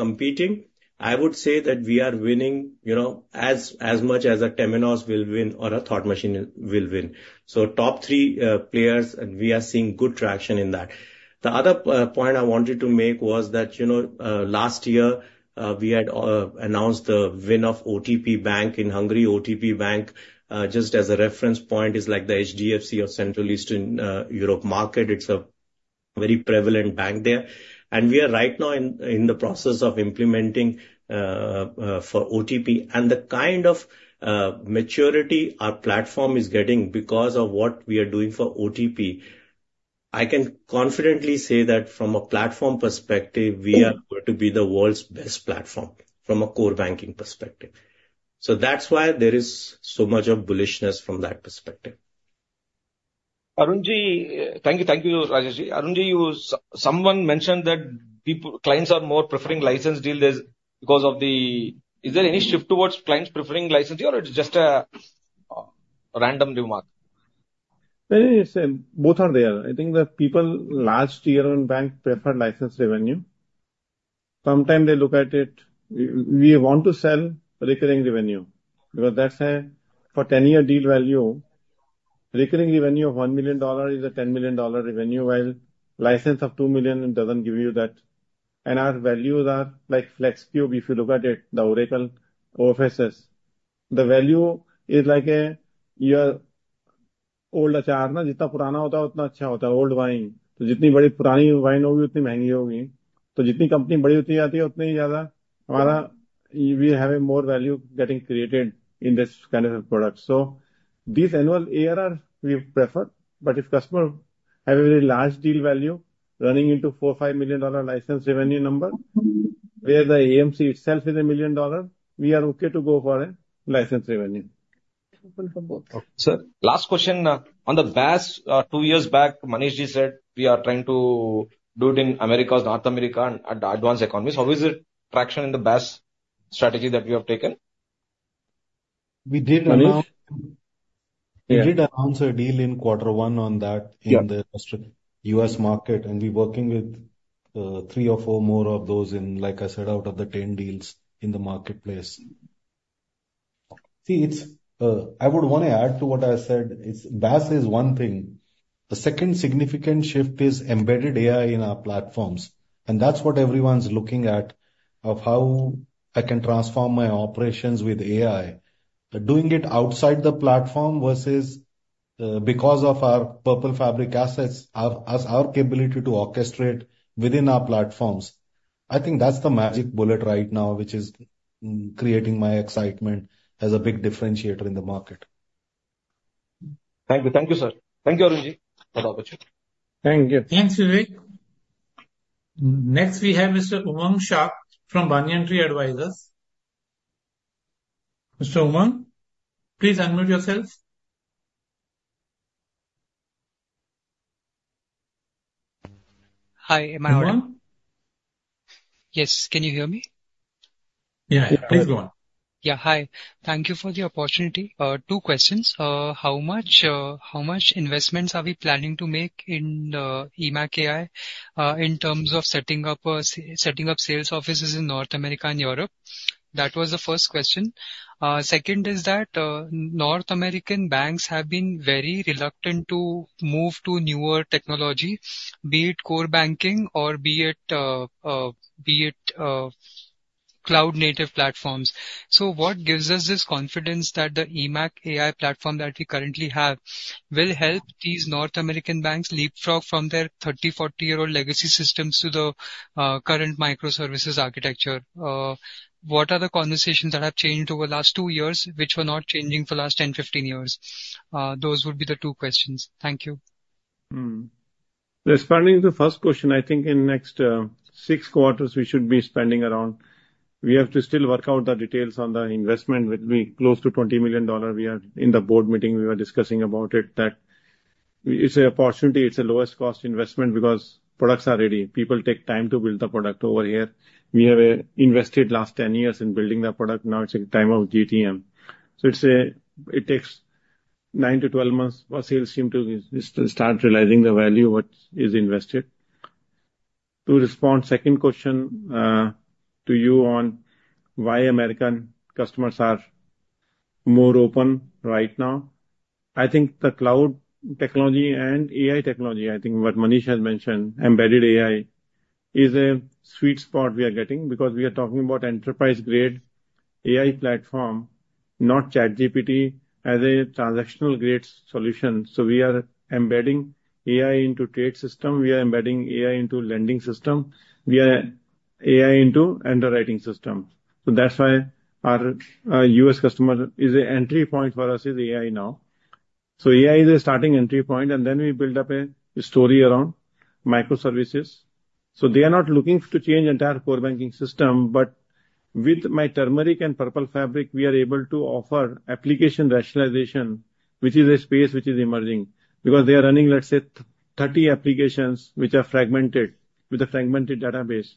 competing, I would say that we are winning, you know, as much as a Temenos will win or a Thought Machine will win. So top three players, and we are seeing good traction in that. The other point I wanted to make was that last year we had announced the win of OTP Bank in Hungary. OTP Bank just as a reference point is like the HDFC or Central Eastern Europe market. It's a very prevalent bank there, and we are right now in the process of implementing for OTP, and the kind of maturity our platform is getting because of what we are doing for OTP. I can confidently say that from a platform perspective, we are going to be the world's best platform from a core banking perspective, so that's why there is so much of bullishness from that perspective. Arunji. Thank you, thank you, Rajeshji. Arunji, someone mentioned that clients are more preferring license deal this because of the. Is there any shift towards clients preferring licensing, or it is just a random remark? No, it's both are there. I think the people last year on bank preferred license revenue. Sometimes they look at it, we want to sell recurring revenue, because that's a, for ten-year deal value, recurring revenue of $1 million is a $10 million revenue, while license of $2 million, it doesn't give you that. And our values are like Flexcube. If you look at it, the Oracle offices, the value is like a, your old achar, na, jitna purana hota hai utna achcha hota hai, old wine. To jitni badi purani wine hogi, utni mehengi hogi. To jitni company badi hoti jaati hai, utne hi jyada wala. We are having more value getting created in this kind of a product. These annual ARR, we prefer, but if customer have a very large deal value running into $4-5 million license revenue number, where the AMC itself is $1 million, we are okay to go for a license revenue. Open for both. Sir, last question. On the BaaS, two years back, Manishji said, "We are trying to do it in Americas, North America, and advanced economies." How is the traction in the BaaS strategy that we have taken?... We did announce a deal in quarter one on that- Yeah. in the US market, and we're working with, three or four more of those in, like I said, out of the 10 deals in the marketplace. See, it's, I would want to add to what I said. It's, BaaS is one thing. The second significant shift is embedded AI in our platforms, and that's what everyone's looking at, of how I can transform my operations with AI. But doing it outside the platform versus, because of our Purple Fabric assets, our, as our capability to orchestrate within our platforms, I think that's the magic bullet right now, which is, creating my excitement as a big differentiator in the market. Thank you. Thank you, sir. Thank you, Arun Ji, for the opportunity. Thank you. Thanks, Vivek. Next, we have Mr. Umang Shah from Banyan Tree Advisors. Mr. Umang, please unmute yourself. Hi, am I audible? Umang? Yes. Can you hear me? Yeah. Please go on. Yeah, hi. Thank you for the opportunity. Two questions. How much investments are we planning to make in eMACH.ai, in terms of setting up sales offices in North America and Europe? That was the first question. Second is that North American banks have been very reluctant to move to newer technology, be it core banking or be it cloud-native platforms. So what gives us this confidence that the eMACH.ai platform that we currently have will help these North American banks leapfrog from their 30, 40-year-old legacy systems to the current microservices architecture? What are the conversations that have changed over the last two years, which were not changing for the last 10, 15 years? Those would be the two questions. Thank you. Responding to the first question, I think in next six quarters, we should be spending around $20 million. We have to still work out the details on the investment, which will be close to $20 million. We are, in the board meeting, we were discussing about it, that it's an opportunity, it's the lowest cost investment because products are ready. People take time to build the product over here. We have invested last ten years in building the product. Now it's a time of GTM. So it's a. It takes nine to twelve months for sales team to start realizing the value what is invested. To respond, second question, to you on why American customers are more open right now. I think the cloud technology and AI technology, I think what Manish has mentioned, embedded AI, is a sweet spot we are getting because we are talking about enterprise-grade AI platform, not ChatGPT, as a transactional-grade solution. So we are embedding AI into trade system, we are embedding AI into lending system, we are AI into underwriting system. So that's why our US customer is an entry point for us is AI now. So AI is a starting entry point, and then we build up a story around microservices. So they are not looking to change entire core banking system, but with my Turmeric and Purple Fabric, we are able to offer application rationalization, which is a space which is emerging. Because they are running, let's say, 30 applications which are fragmented, with a fragmented database.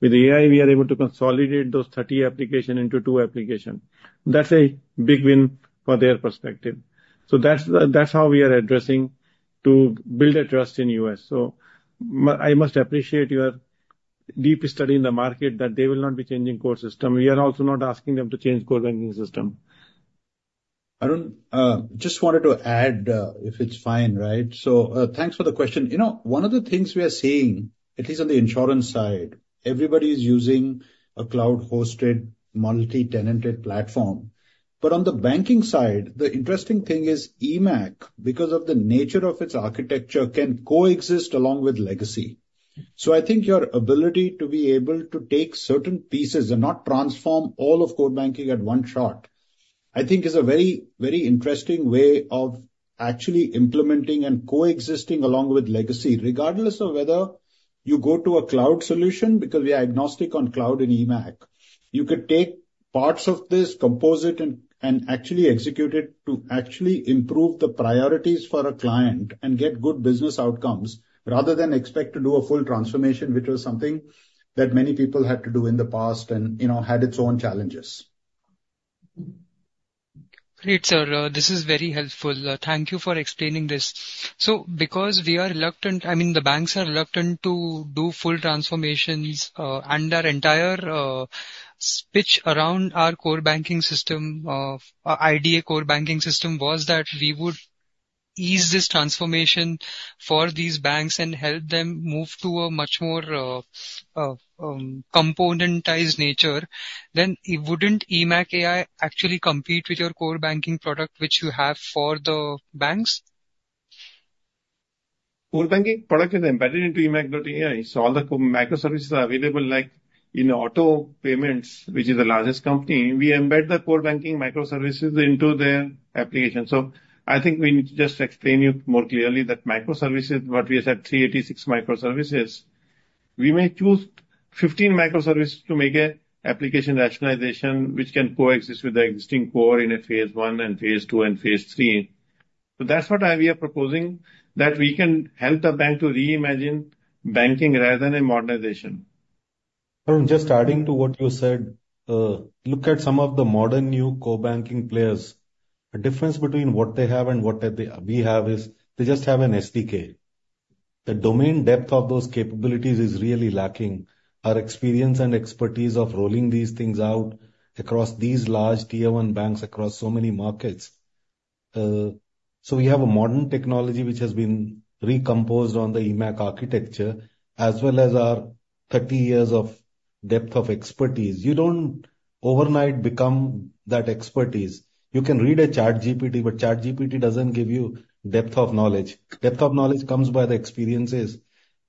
With AI, we are able to consolidate those thirty application into two application. That's a big win for their perspective. So that's how we are addressing to build a trust in U.S. So I must appreciate your deep study in the market, that they will not be changing core system. We are also not asking them to change core banking system. Arun, just wanted to add, if it's fine, right? So, thanks for the question. You know, one of the things we are seeing, at least on the insurance side, everybody is using a cloud-hosted, multi-tenant platform. But on the banking side, the interesting thing is eMACH, because of the nature of its architecture, can coexist along with legacy. So I think your ability to be able to take certain pieces and not transform all of core banking at one shot, I think is a very, very interesting way of actually implementing and coexisting along with legacy, regardless of whether you go to a cloud solution, because we are agnostic on cloud and eMACH. You could take parts of this, compose it and actually execute it to actually improve the priorities for a client and get good business outcomes, rather than expect to do a full transformation, which was something that many people had to do in the past and, you know, had its own challenges. Great, sir. This is very helpful. Thank you for explaining this. So because we are reluctant, I mean, the banks are reluctant to do full transformations, and our entire pitch around our core banking system of IDA core banking system was that we would ease this transformation for these banks and help them move to a much more componentized nature, then wouldn't eMACH.ai actually compete with your core banking product, which you have for the banks? Core banking product is embedded into eMACH.ai, so all the core microservices are available, like in OTTO Payments, which is the largest company, we embed the core banking microservices into their application. So I think we need to just explain to you more clearly that microservices, what we said, 386 microservices, we may choose 15 microservices to make an application rationalization, which can coexist with the existing core in a phase one and phase two and phase three. So that's what we are proposing, that we can help the bank to reimagine banking rather than a modernization. Just adding to what you said, look at some of the modern new core-banking players. The difference between what they have and what we have is they just have an SDK. The domain depth of those capabilities is really lacking. Our experience and expertise of rolling these things out across these large Tier One banks across so many markets. So we have a modern technology which has been recomposed on the eMACH architecture, as well as our thirty years of depth of expertise. You don't overnight become that expertise. You can read a ChatGPT, but ChatGPT doesn't give you depth of knowledge. Depth of knowledge comes by the experiences.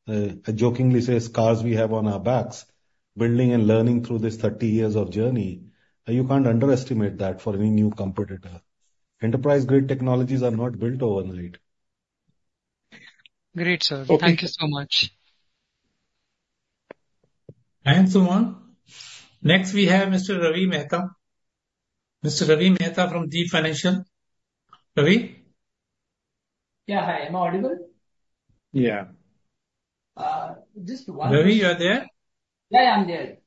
I jokingly say, scars we have on our backs, building and learning through this thirty years of journey. You can't underestimate that for any new competitor. Enterprise-grade technologies are not built overnight. Great, sir. Okay. Thank you so much. Thanks, Suman. Next, we have Mr. Ravi Mehta. Mr. Ravi Mehta from Deep Financial. Ravi? Yeah. Hi, am I audible? Yeah. Just one- Ravi, you are there? Yeah, I'm there.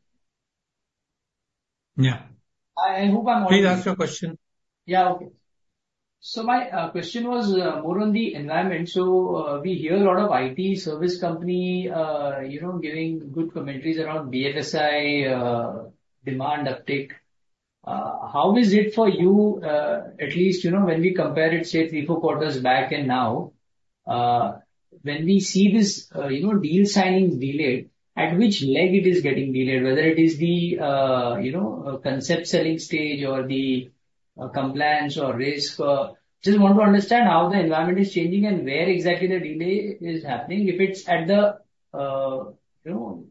Yeah. I hope I'm audible. Please ask your question. Yeah. Okay. So my question was more on the environment. So, we hear a lot of IT service company, you know, giving good commentaries around BFSI, demand uptick. How is it for you, at least, you know, when we compare it, say, three, four quarters back and now, when we see this, you know, deal signings delayed, at which leg it is getting delayed? Whether it is the, you know, concept selling stage or the, compliance or risk. Just want to understand how the environment is changing and where exactly the delay is happening. If it's at the, you know,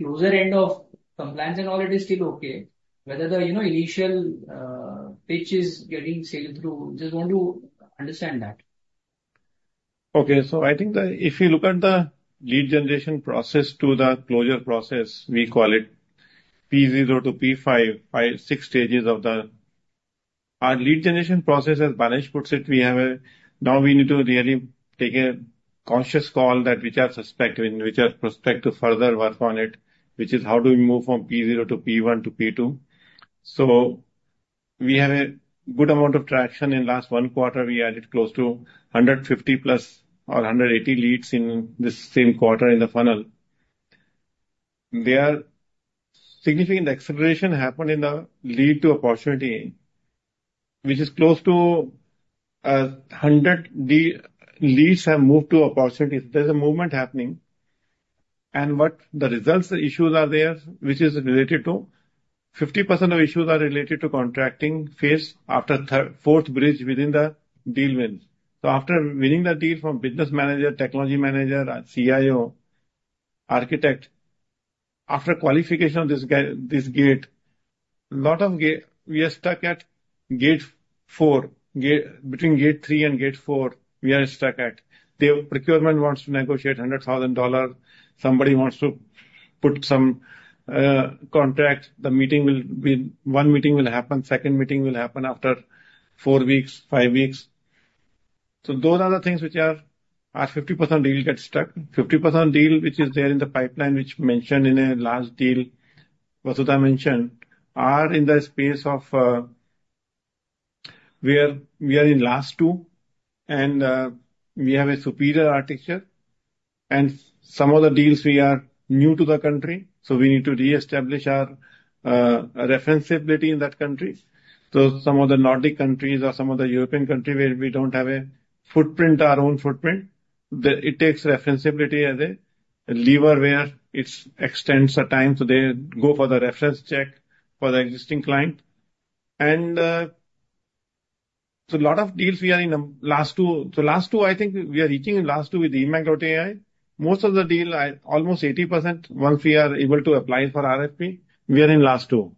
closer end of compliance and all, it is still okay. Whether the, you know, initial, pitch is getting sailed through. Just want to understand that. Okay. So I think that if you look at the lead generation process to the closure process, we call it P0 to P5, six stages of the... Our lead generation process, as Banesh puts it, we have a-- now we need to really take a conscious call that which are suspect, which are prospect to further work on it, which is how do we move from P0 to P1 to P2? So we had a good amount of traction. In last one quarter, we added close to 150 plus or 180 leads in this same quarter in the funnel. There are significant acceleration happened in the lead to opportunity, which is close to 100 leads have moved to opportunities. There's a movement happening. What the real issues are there, which is related to 50% of issues are related to contracting phase after third, fourth gate within the deal wins. So after winning the deal from business manager, technology manager, CIO, architect, after qualification of this gate, a lot of gate. We are stuck at gate four. Between gate three and gate four, we are stuck at. The procurement wants to negotiate $100,000. Somebody wants to put some contract. The meeting will be. One meeting will happen, second meeting will happen after four weeks, five weeks. So those are the things which are 50% deal get stuck. 50% deal which is there in the pipeline, which mentioned in a large deal, Vasudha mentioned, are in the space of, we are in last two, and we have a superior architecture. Some of the deals we are new to the country, so we need to reestablish our referencability in that country. Some of the Nordic countries or some of the European country where we don't have a footprint, our own footprint, it takes referencability as a lever where it extends the time, so they go for the reference check for the existing client. So a lot of deals we are in the last two. Last two, I think we are reaching in last two with the eMACH.ai. Most of the deal, almost 80%, once we are able to apply for RFP, we are in last two.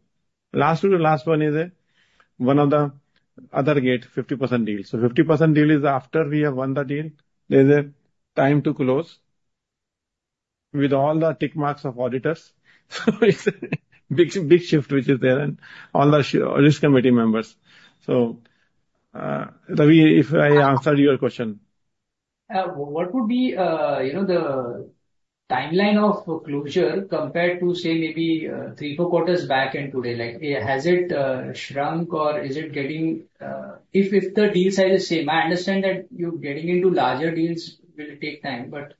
Last two to last one is, one of the other gate, 50% deals. So 50% deal is after we have won the deal, there's a time to close with all the tick marks of auditors. So it's a big, big shift which is there, and all the risk committee members. So, Ravi, if I answered your question. What would be, you know, the timeline of closure compared to, say, maybe, three, four quarters back and today? Like, has it shrunk or is it getting... If the deal size is same, I understand that you getting into larger deals will take time, but,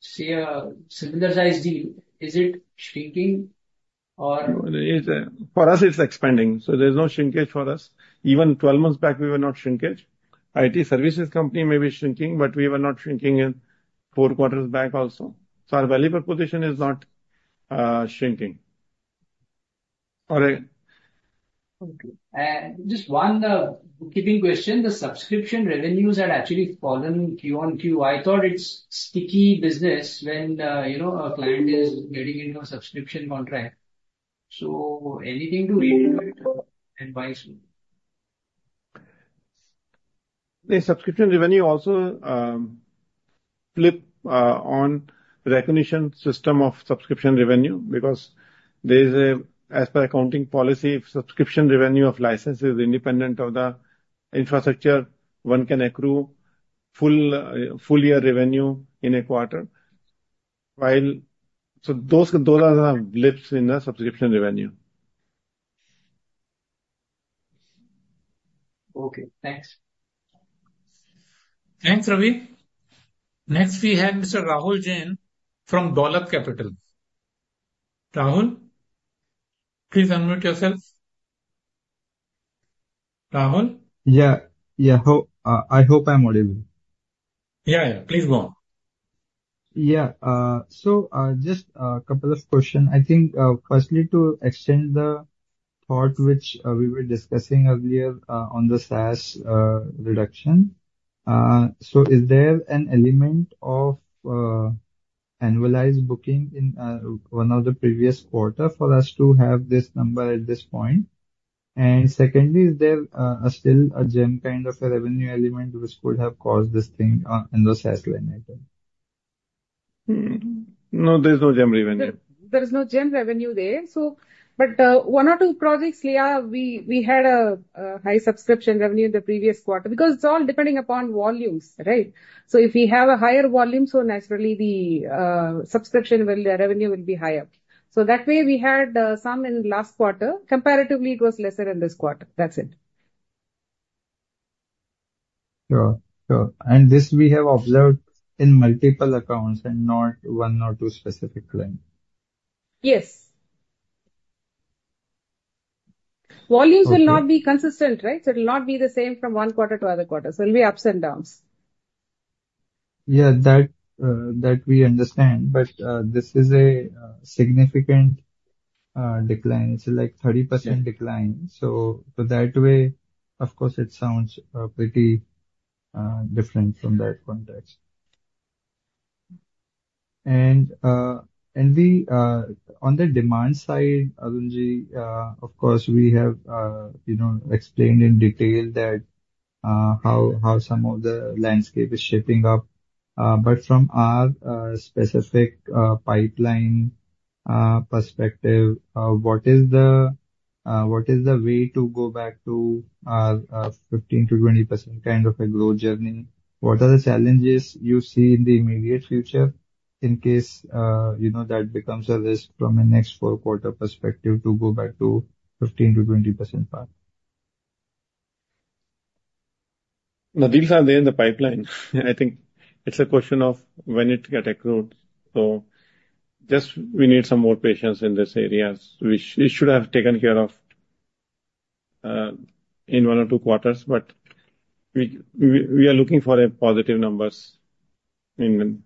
say, a similar size deal, is it shrinking or- For us, it's expanding, so there's no shrinkage for us. Even twelve months back, we were not shrinkage. IT services company may be shrinking, but we were not shrinking in four quarters back also. So our value per position is not shrinking. All right? Okay. Just one bookkeeping question. The subscription revenues had actually fallen Q on Q. I thought it's sticky business when, you know, a client is getting into a subscription contract. So anything to it and why so? The subscription revenue also flip on recognition system of subscription revenue because there is a, as per accounting policy, if subscription revenue of license is independent of the infrastructure, one can accrue full year revenue in a quarter, while so those are the lifts in the subscription revenue. Okay, thanks. Thanks, Ravi. Next, we have Mr. Rahul Jain from Dolat Capital. Rahul, please unmute yourself. Rahul? Yeah. Yeah, I hope I'm audible. Yeah, yeah. Please go on. Yeah. So, just a couple of questions. I think, firstly, to extend the thought which we were discussing earlier, on the SaaS reduction. So is there an element of annualized booking in one of the previous quarter for us to have this number at this point? And secondly, is there a still a gem kind of a revenue element which could have caused this thing, in the SaaS line item? Hmm. No, there's no GeM revenue. There is no gem revenue there, so... But, one or two projects, yeah, we had a high subscription revenue in the previous quarter, because it's all depending upon volumes, right? So if we have a higher volume, so naturally, the subscription will, the revenue will be higher. So that way, we had some in last quarter. Comparatively, it was lesser in this quarter. That's it. Sure. Sure. And this we have observed in multiple accounts and not one or two specific clients. Yes. Okay. Volumes will not be consistent, right? So it will not be the same from one quarter to other quarter. There'll be ups and downs. Yeah, that, that we understand. But, this is a, significant, decline. It's like 30% decline. So that way, of course, it sounds, pretty, different from that context. And, and we, on the demand side, Arun ji, of course, we have, you know, explained in detail that, how some of the landscape is shaping up. But from our, specific, pipeline, perspective, what is the way to go back to, 15% to 20% kind of a growth journey? What are the challenges you see in the immediate future, in case, you know, that becomes a risk from a next four quarter perspective to go back to 15% to 20% path? Now, deals are there in the pipeline. I think it's a question of when it get accrued. So just we need some more patience in this areas, which it should have taken care of in one or two quarters. But we are looking for a positive numbers in the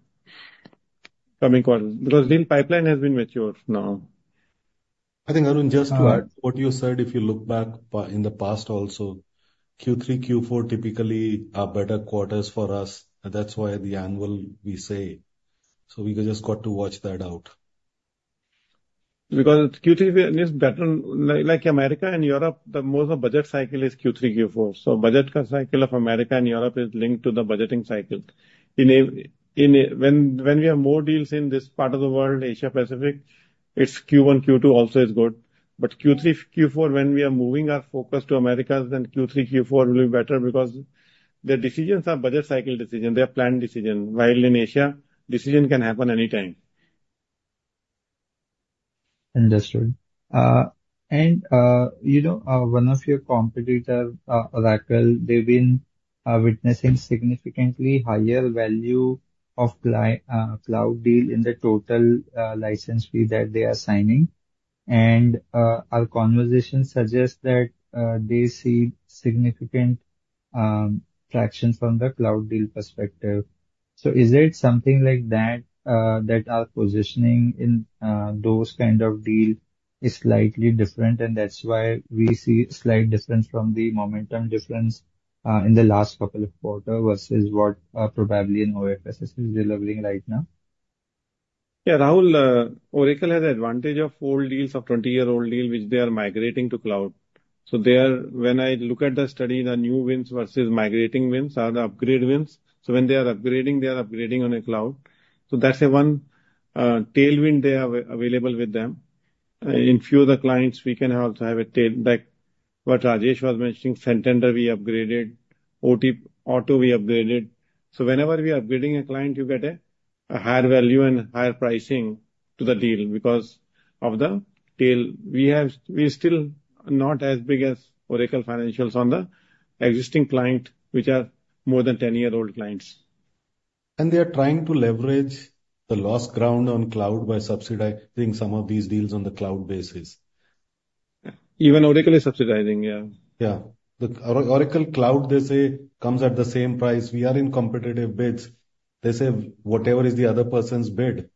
coming quarters, because deal pipeline has been mature now. I think, Arun, just to add what you said, if you look back in the past also, Q3, Q4 typically are better quarters for us, and that's why the annual, we say. So we just got to watch that out. Because Q3 is better. Like Americas and Europe, most of the budget cycle is Q3, Q4. So budget cycle of Americas and Europe is linked to the budgeting cycle. When we have more deals in this part of the world, Asia Pacific, it's Q1, Q2 also is good. But Q3, Q4, when we are moving our focus to Americas, then Q3, Q4 will be better because their decisions are budget cycle decisions, they are planned decisions. While in Asia, decisions can happen anytime. Understood. And, you know, one of your competitor, Oracle, they've been witnessing significantly higher value of cloud deal in the total license fee that they are signing. And, our conversation suggests that they see significant traction from the cloud deal perspective. So is there something like that, that our positioning in those kind of deal is slightly different, and that's why we see a slight difference from the momentum difference in the last couple of quarter versus what probably Infosys is delivering right now? Yeah, Rahul, Oracle has advantage of old deals, of 20-year-old deal, which they are migrating to cloud. So they are. When I look at the study, the new wins versus migrating wins or the upgrade wins. So when they are upgrading, they are upgrading on a cloud. So that's one tailwind they have available with them. In few of the clients, we can also have a tail, like what Rajesh was mentioning, Santander we upgraded, Otto we upgraded. So whenever we are upgrading a client, you get a higher value and higher pricing to the deal because of the tail. We're still not as big as Oracle Financials on the existing client, which are more than 10-year-old clients. They are trying to leverage the lost ground on cloud by subsidizing some of these deals on the cloud basis. Even Oracle is subsidizing, yeah. Yeah. The Oracle cloud, they say, comes at the same price. We are in competitive bids. They say whatever is the other person's bid,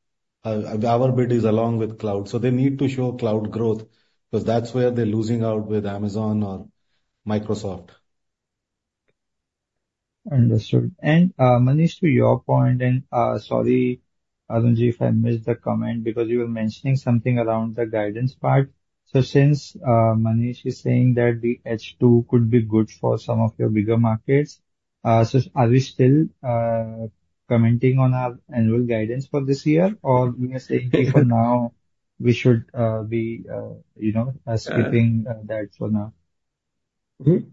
our bid is along with cloud. So they need to show cloud growth, because that's where they're losing out with Amazon or Microsoft. Understood. And Manish, to your point, and sorry, Arun ji, if I missed the comment, because you were mentioning something around the guidance part. So since Manish is saying that the H2 could be good for some of your bigger markets, so are we still commenting on our annual guidance for this year, or you are saying for now we should be, you know, skipping that for now? Mm-hmm.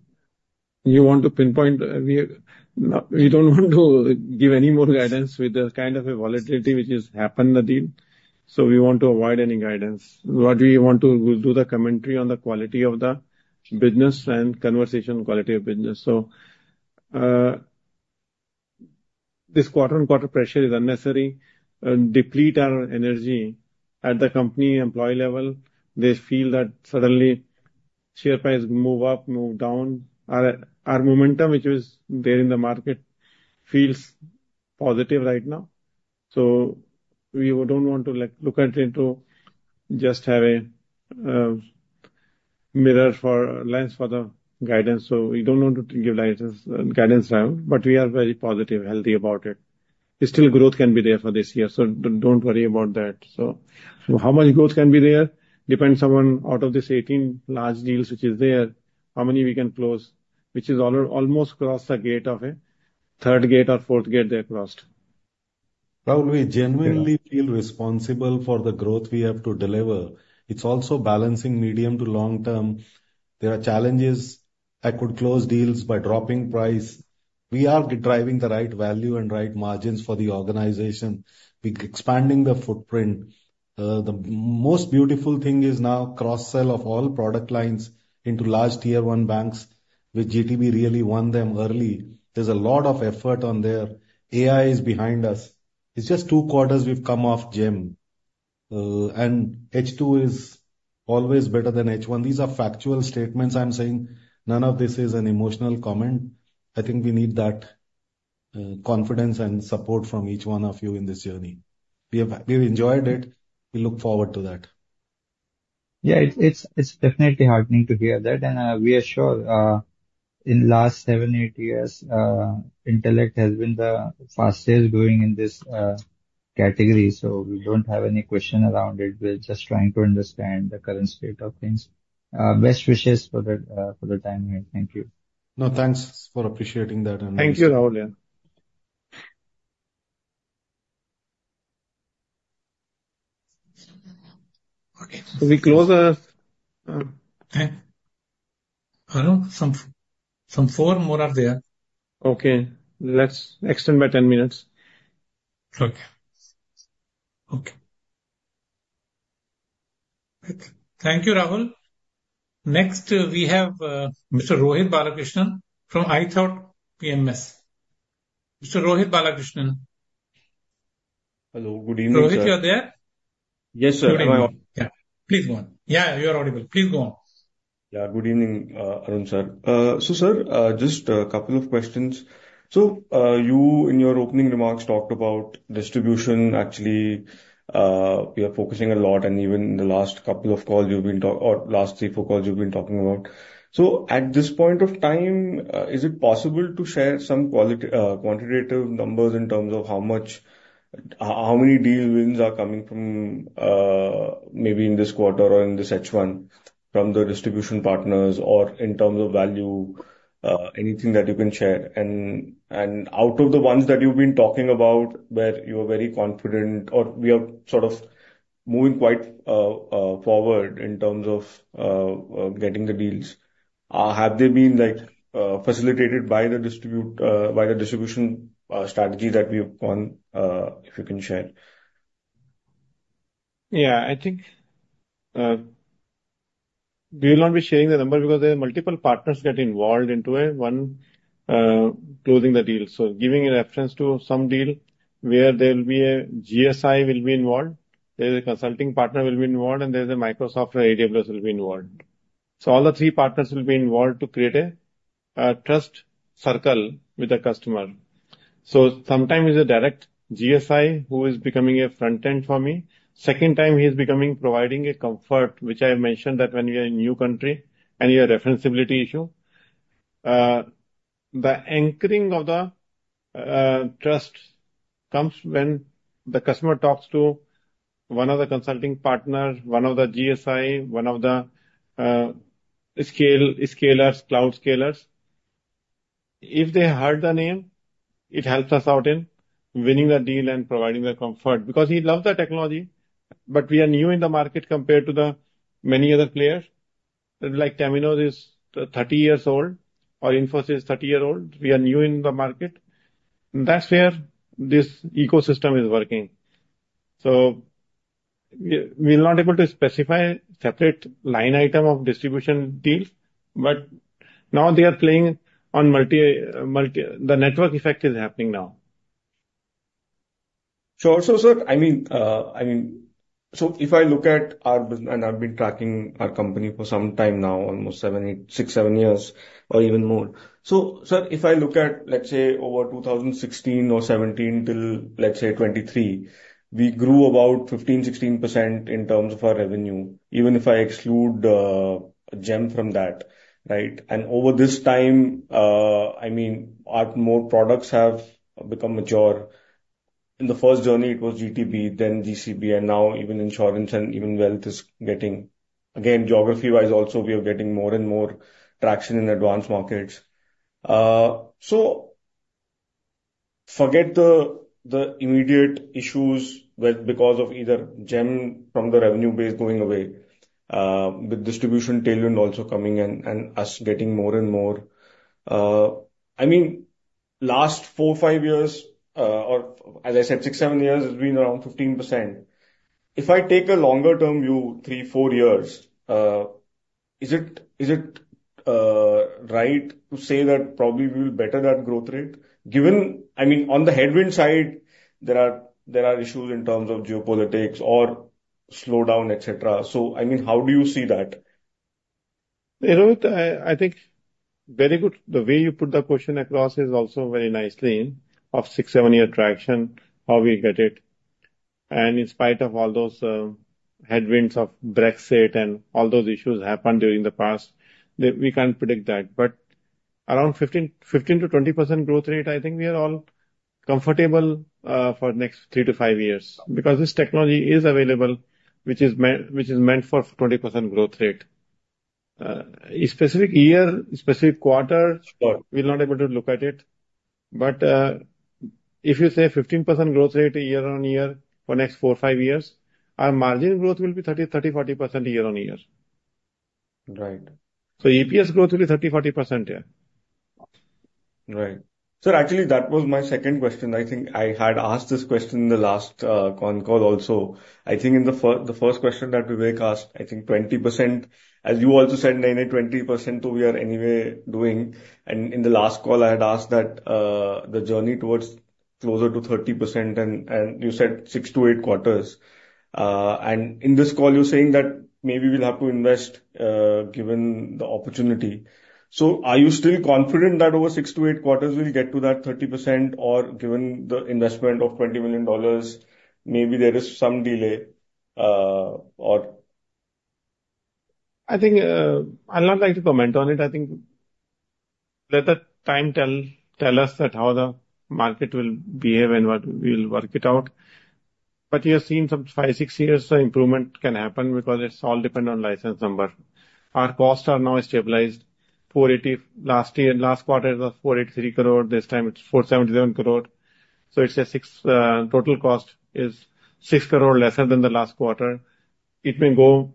You want to pinpoint, we-- We don't want to give any more guidance with the kind of a volatility which has happened, indeed. So we want to avoid any guidance. What we want to do the commentary on the quality of the business and conversation quality of business. So, this quarter-on-quarter pressure is unnecessary and deplete our energy at the company employee level. They feel that suddenly share price move up, move down. Our, our momentum, which was there in the market, feels positive right now. So we don't want to, like, look at it into just have a, mirror for lens for the guidance. So we don't want to give guidance now, but we are very positive, healthy about it. Still, growth can be there for this year, so don't worry about that. So, how much growth can be there? Depends on someone out of these 18 large deals which is there, how many we can close, which is almost crossed the gate of a third gate or fourth gate they have crossed. Rahul, we genuinely feel responsible for the growth we have to deliver. It's also balancing medium to long term. There are challenges. I could close deals by dropping price. We are driving the right value and right margins for the organization. We're expanding the footprint. The most beautiful thing is now cross-sell of all product lines into large tier one banks, which GTB really won them early. There's a lot of effort on there. AI is behind us. It's just two quarters we've come off gem, and H2 is always better than H1. These are factual statements I'm saying. None of this is an emotional comment. I think we need that confidence and support from each one of you in this journey. We've enjoyed it. We look forward to that. Yeah, it's definitely heartening to hear that. And we are sure in last seven, eight years, Intellect has been the fastest growing in this category, so we don't have any question around it. We're just trying to understand the current state of things. Best wishes for the time being. Thank you. No, thanks for appreciating that. Thank you, Rahul. Okay. So we close our... Arun, some four more are there. Okay. Let's extend by 10 minutes. Okay. Okay. Thank you, Rahul. Next, we have Mr. Rohit Balakrishnan from iThought PMS. Mr. Rohit Balakrishnan? Hello, good evening, sir. Rohit, you are there? Yes, sir. Good evening. Yeah, please go on. Yeah, you are audible. Please go on. Yeah, good evening, Arun, sir. So, sir, just a couple of questions. So, you, in your opening remarks, talked about distribution. Actually, we are focusing a lot, and even in the last couple of calls you've been talking or last three, four calls you've been talking about. So at this point of time, is it possible to share some quantitative numbers in terms of how many deal wins are coming from, maybe in this quarter or in this H1, from the distribution partners, or in terms of value, anything that you can share? And out of the ones that you've been talking about, where you're very confident, or we are sort of moving quite forward in terms of getting the deals. Have they been, like, facilitated by the distribution strategy that we've gone? If you can share. Yeah, I think, we will not be sharing the number because there are multiple partners get involved into a one, closing the deal. So giving a reference to some deal where there will be a GSI will be involved, there's a consulting partner will be involved, and there's a Microsoft or AWS will be involved. So all the three partners will be involved to create a trust circle with the customer. So sometimes it's a direct GSI who is becoming a front-end for me. Second time, he is becoming providing a comfort, which I have mentioned, that when you're in a new country and you have referenceability issue. The anchoring of the trust comes when the customer talks to one of the consulting partners, one of the GSI, one of the cloud scalers. If they heard the name, it helps us out in winning the deal and providing the comfort. Because he loves the technology, but we are new in the market compared to the many other players. Like Temenos is thirty years old, or Infosys is thirty years old. We are new in the market. That's where this ecosystem is working. So we're not able to specify separate line item of distribution deals, but now they are playing on multi. The network effect is happening now. So also, sir, I mean, so if I look at our business, and I've been tracking our company for some time now, almost seven, eight, six, seven years, or even more. So, sir, if I look at, let's say, over 2016 or 2017 till, let's say, 2023, we grew about 15% to 16% in terms of our revenue, even if I exclude GEM from that, right? And over this time, I mean, our core products have become mature. In the first journey, it was GTB, then GCB, and now even insurance and even wealth is getting. Again, geography-wise also, we are getting more and more traction in advanced markets. So forget the immediate issues where because of either GEM from the revenue base going away, with distribution tailwind also coming in and us getting more and more. I mean, last four, five years, or as I said, six, seven years has been around 15%. If I take a longer-term view, three, four years, is it right to say that probably we will better that growth rate? Given, I mean, on the headwind side, there are issues in terms of geopolitics or slowdown, et cetera. So, I mean, how do you see that? Hey, Rohit, I think very good. The way you put the question across is also very nicely, of 6-7-year traction, how we get it. And in spite of all those headwinds of Brexit and all those issues happened during the past, we can't predict that. But around 15-20% growth rate, I think we are all comfortable for next 3 to 5 years. Because this technology is available, which is meant for 20% growth rate. A specific year, specific quarter- Sure. We're not able to look at it. But, if you say 15% growth rate year on year for next four, five years, our margin growth will be 30, 30, 40% year on year. Right. EPS growth will be 30-40%, yeah. Right. Sir, actually, that was my second question. I think I had asked this question in the last con call also. I think in the first question that Vivek asked, I think 20%, as you also said, 90, 20%, so we are anyway doing. And in the last call, I had asked that the journey towards closer to 30%, and you said six to eight quarters. And in this call, you're saying that maybe we'll have to invest, given the opportunity. So are you still confident that over six to eight quarters, we'll get to that 30%, or given the investment of $20 million, maybe there is some delay, or? I think I'd not like to comment on it. I think let the time tell us that how the market will behave and what. We'll work it out. But you have seen some 5-6 years, so improvement can happen because it's all depend on license number. Our costs are now stabilized. 480 crore last year, last quarter it was 483 crore. This time it's 477 crore. So it's a six, total cost is six crore lesser than the last quarter. It may go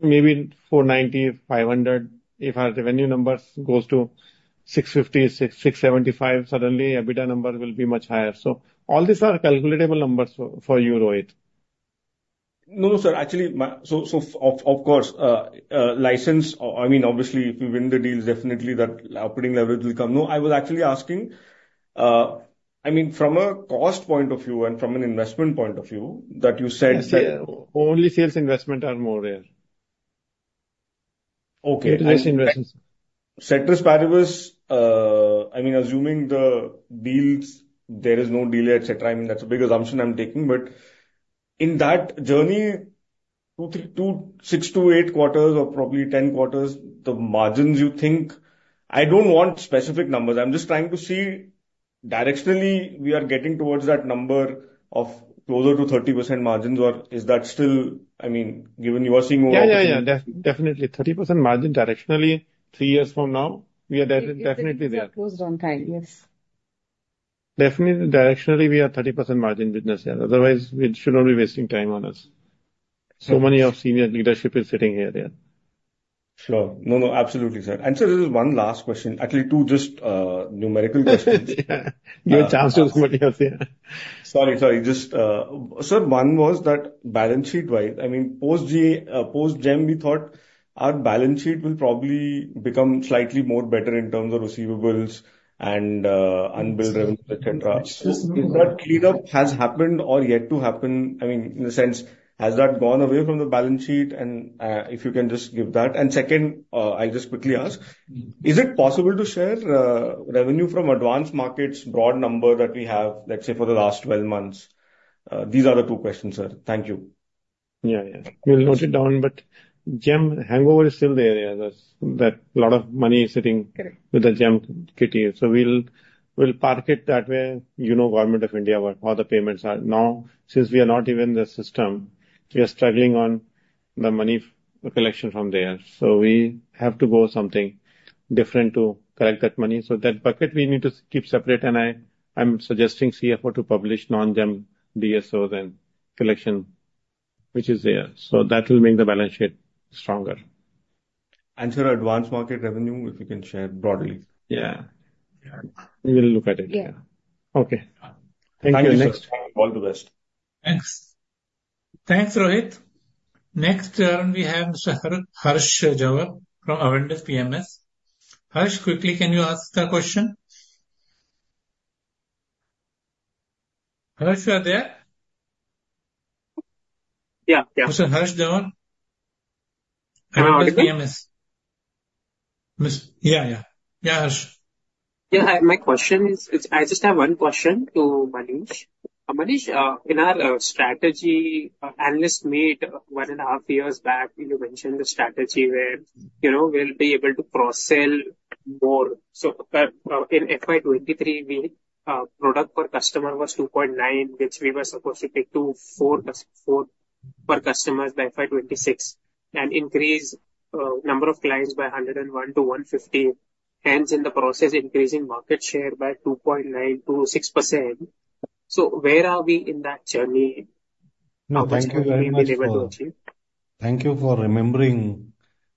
maybe 490-500. If our revenue numbers goes to 650-660, 675, suddenly EBITDA number will be much higher. So all these are calculatable numbers for you, Rohit. No, no, sir. Actually, my so of course license. I mean, obviously, if you win the deals, definitely that operating leverage will come. No, I was actually asking. I mean, from a cost point of view and from an investment point of view, that you said that- Only sales investment are more there. Okay. Sales investment. Ceteris paribus, I mean, assuming the deals, there is no delay, et cetera. I mean, that's a big assumption I'm taking. But in that journey, two-three, two-six to eight quarters or probably ten quarters, the margins you think... I don't want specific numbers. I'm just trying to see directionally we are getting towards that number or closer to 30% margins, or is that still-- I mean, given you are seeing more- Yeah, yeah, yeah. Definitely 30% margin directionally, three years from now, we are definitely there. Closed on time, yes. Definitely, directionally, we are 30% margin business, yeah. Otherwise, we should not be wasting time on this. So many of senior leadership is sitting here there. Sure. No, no, absolutely, sir. And sir, this is one last question, actually, two, just, numerical questions. Give a chance to somebody else here. Sorry, sorry. Just, sir, one was that balance sheet-wise, I mean, post GA, post GeM, we thought our balance sheet will probably become slightly more better in terms of receivables and, unbilled revenues, et cetera. Yes. Is that cleanup has happened or yet to happen? I mean, in the sense, has that gone away from the balance sheet? And, if you can just give that. And second, I'll just quickly ask: Is it possible to share, revenue from advanced markets, broad number that we have, let's say, for the last twelve months? These are the two questions, sir. Thank you. Yeah, yeah. We'll note it down, but GeM hangover is still there, yeah. There's a lot of money sitting- Correct. with the GeM kitty. So we'll, we'll park it that way, you know, government of India, where all the payments are. Now, since we are not even in the system, we are struggling on the money, the collection from there. So we have to go something different to collect that money. So that bucket we need to keep separate, and I, I'm suggesting CFO to publish non-GeM DSOs and collection, which is there. So that will make the balance sheet stronger. Sir, advanced market revenue, if you can share broadly. Yeah. Yeah. We will look at it. Yeah. Okay. Thank you. Thanks. All the best. Thanks. Thanks, Rohit. Next, we have Mr. Harsh Jhanwar from Avendus PMS. Harsh, quickly, can you ask the question? Harsh, you are there? Yeah, yeah. Mr. Harsh Jhanwar? Hello, good day. From Avendus PMS. Yeah, yeah. Yeah, Harsh. Yeah, hi, my question is, I just have one question to Manish. Manish, in our strategy analysts meet one and a half years back, you mentioned the strategy where, you know, we'll be able to cross-sell more. So, but, in FY 2023, we product per customer was 2.9, which we were supposed to take to four per customer by FY 2026, and increase number of clients from 101 to 150, hence in the process, increasing market share from 2.9% to 6%. So where are we in that journey? No, thank you very much for—Thank you for remembering,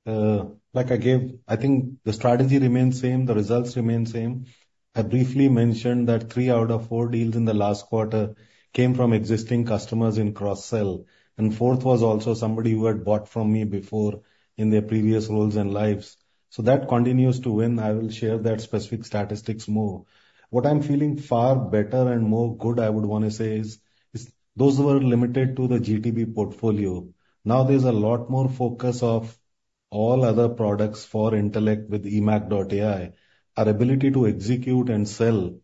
like I gave—I think the strategy remains same, the results remain same. I briefly mentioned that three out of four deals in the last quarter came from existing customers in cross-sell, and fourth was also somebody who had bought from me before in their previous roles and lives. So that continues to win. I will share that specific statistics more. What I'm feeling far better and more good, I would want to say, is those who are limited to the GTB portfolio. Now there's a lot more focus of all other products for Intellect with eMACH.ai. Our ability to execute and sell,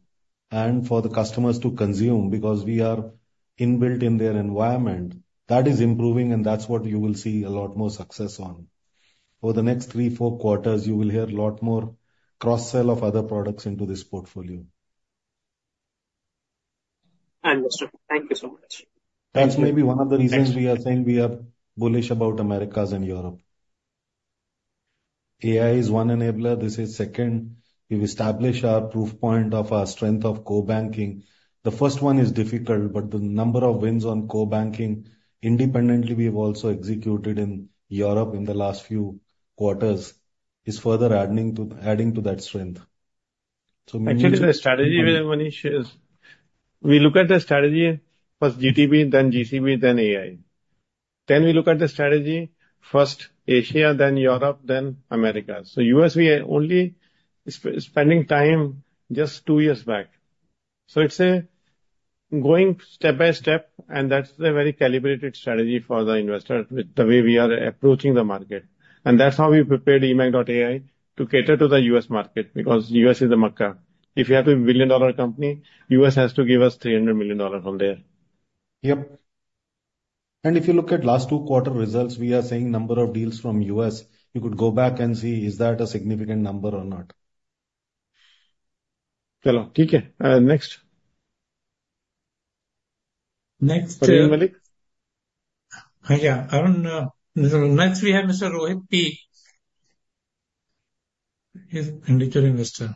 and for the customers to consume because we are inbuilt in their environment, that is improving and that's what you will see a lot more success on. Over the next three, four quarters, you will hear a lot more cross-sell of other products into this portfolio. Understood. Thank you so much. That's maybe one of the reasons we are saying we are bullish about Americas and Europe. AI is one enabler, this is second. We've established our proof point of our strength of core banking. The first one is difficult, but the number of wins on core banking, independently, we have also executed in Europe in the last few quarters, is further adding to, adding to that strength. So mainly- Actually, the strategy, Manish, is we look at the strategy, first GTB, then GCB, then AI. Then we look at the strategy, first Asia, then Europe, then Americas. So U.S., we are only spending time just two years back. So it's a going step by step, and that's a very calibrated strategy for the investor with the way we are approaching the market. And that's how we prepared eMACH.ai to cater to the U.S. market, because U.S. is the mecca. If you have to be a billion-dollar company, U.S. has to give us $300 million from there. Yep. And if you look at last two quarter results, we are seeing number of deals from U.S. You could go back and see, is that a significant number or not? Hello, TK. Next? Next... Malik. Yeah. Arun, next we have Mr. Rohit P. He's individual investor.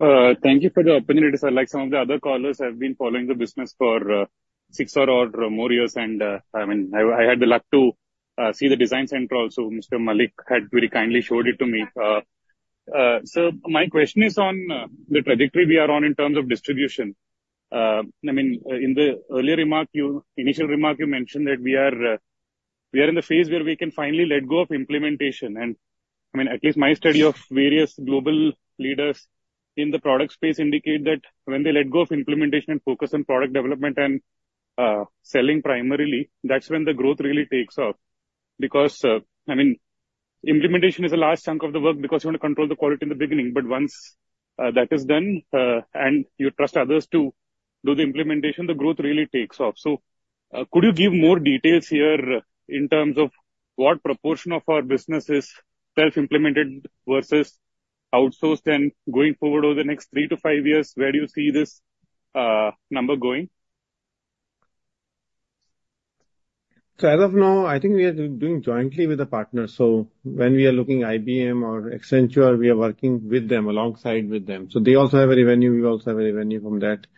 Thank you for the opportunity, sir. Like some of the other callers, I've been following the business for six or more years, and I mean, I had the luck to see the design center also. Mr. Malik had very kindly showed it to me. So my question is on the trajectory we are on in terms of distribution. I mean, in the earlier remark, your initial remark, you mentioned that we are in the phase where we can finally let go of implementation. And I mean, at least my study of various global leaders in the product space indicate that when they let go of implementation and focus on product development and selling primarily, that's when the growth really takes off. Because, I mean, implementation is a large chunk of the work because you want to control the quality in the beginning, but once that is done and you trust others to do the implementation, the growth really takes off. So, could you give more details here in terms of what proportion of our business is self-implemented versus outsourced, and going forward over the next three-to-five years, where do you see this number going? As of now, I think we are doing jointly with a partner. So when we are looking IBM or Accenture, we are working with them, alongside with them. So they also have a revenue, we also have a revenue from that.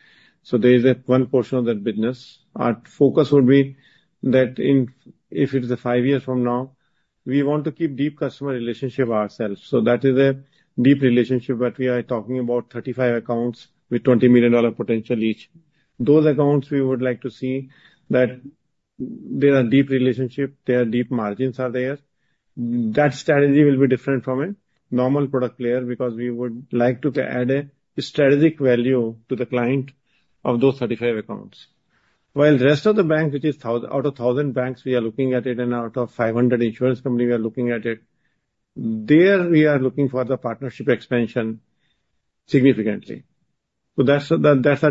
So there is one portion of that business. Our focus will be that in five years from now, we want to keep deep customer relationship ourselves. So that is a deep relationship, but we are talking about 35 accounts with $20 million potential each. Those accounts, we would like to see that there are deep relationship, there are deep margins are there. That strategy will be different from a normal product player, because we would like to add a strategic value to the client of those 35 accounts. While the rest of the bank, which is thousand out of thousand banks, we are looking at it, and out of five hundred insurance company, we are looking at it, there, we are looking for the partnership expansion significantly. So that's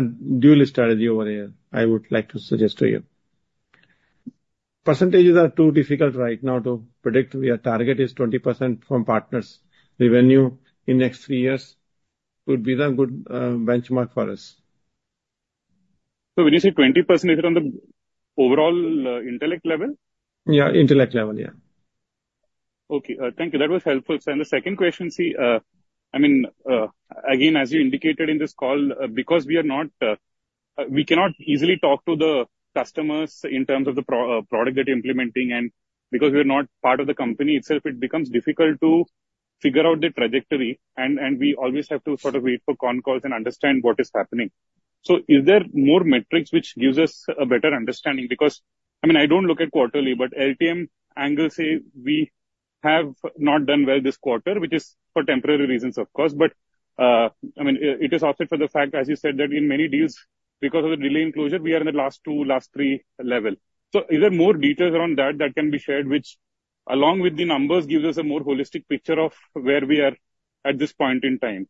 a dual strategy over here, I would like to suggest to you. Percentages are too difficult right now to predict. Our target is 20% from partners. Revenue in next three years would be the good benchmark for us. So when you say 20%, is it on the overall Intellect level? Yeah, Intellect level, yeah. Okay, thank you. That was helpful. So and the second question, see, I mean, again, as you indicated in this call, because we are not, we cannot easily talk to the customers in terms of the product that you're implementing, and because we are not part of the company itself, it becomes difficult to figure out the trajectory, and we always have to sort of wait for con calls and understand what is happening. So is there more metrics which gives us a better understanding? Because, I mean, I don't look at quarterly, but LTM angle, say, we have not done well this quarter, which is for temporary reasons, of course. But, I mean, it is offset for the fact, as you said, that in many deals, because of the delay in closure, we are in the last two, last three level. So is there more details around that, that can be shared, which along with the numbers, gives us a more holistic picture of where we are at this point in time,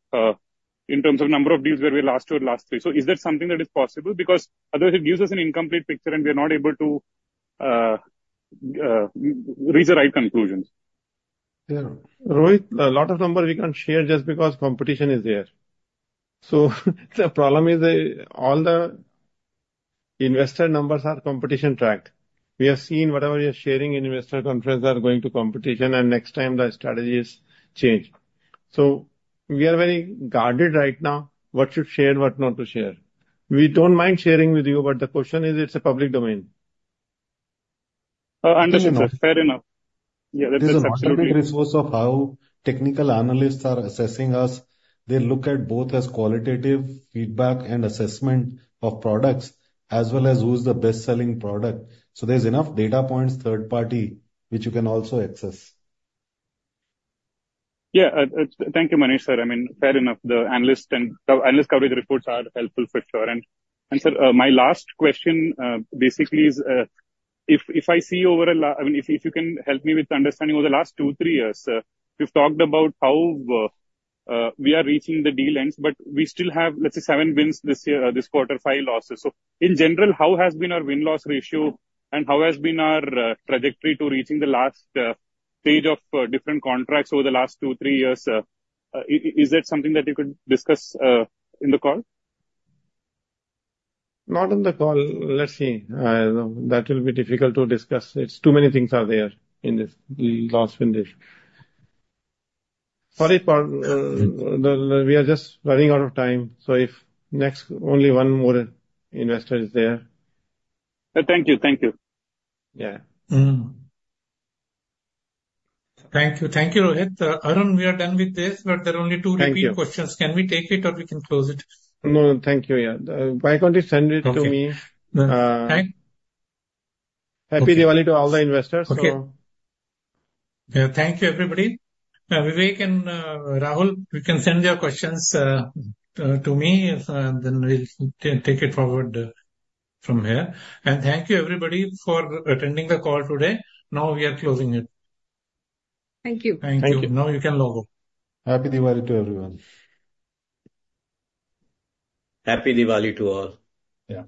in terms of number of deals where we're last two or last three? So is that something that is possible? Because otherwise, it gives us an incomplete picture, and we are not able to reach the right conclusions? Yeah. Rohit, a lot of numbers we can't share just because competition is there. So the problem is that all the investor numbers are competition tracked. We have seen whatever you're sharing in investor conference are going to competition, and next time the strategy is changed. So we are very guarded right now, what should share, what not to share. We don't mind sharing with you, but the question is, it's a public domain. Oh, understood, sir. Fair enough. Yeah, that's- There's a lot of resources on how technical analysts are assessing us. They look at both qualitative feedback and assessment of products, as well as which is the best-selling product. So there's enough data points, third-party, which you can also access. Yeah. Thank you, Manish, sir. I mean, fair enough, the analyst coverage reports are helpful for sure. And, sir, my last question, basically is, if I see over a la... I mean, if you can help me with understanding over the last two, three years, we've talked about how we are reaching the deal ends, but we still have, let's say, seven wins this year, this quarter, five losses. So in general, how has been our win-loss ratio, and how has been our trajectory to reaching the last stage of different contracts over the last two, three years? Is that something that you could discuss in the call? Not on the call. Let's see. That will be difficult to discuss. It's too many things are there in this loss win ratio. Sorry, Praveen, we are just running out of time, so if next, only one more investor is there. Thank you. Thank you. Yeah. Mm-hmm. Thank you. Thank you, Rohit. Arun, we are done with this, but there are only two repeat questions. Thank you. Can we take it or we can close it? No, thank you, yeah. Why can't you send it to me? Okay. Hi? Happy Diwali to all the investors. Okay. So... Yeah. Thank you, everybody. Vivek and Rahul, you can send your questions to me, then we'll take it forward from here and thank you, everybody, for attending the call today. Now we are closing it. Thank you. Thank you. Thank you. Now you can log off. Happy Diwali to everyone. Happy Diwali to all! Thank you.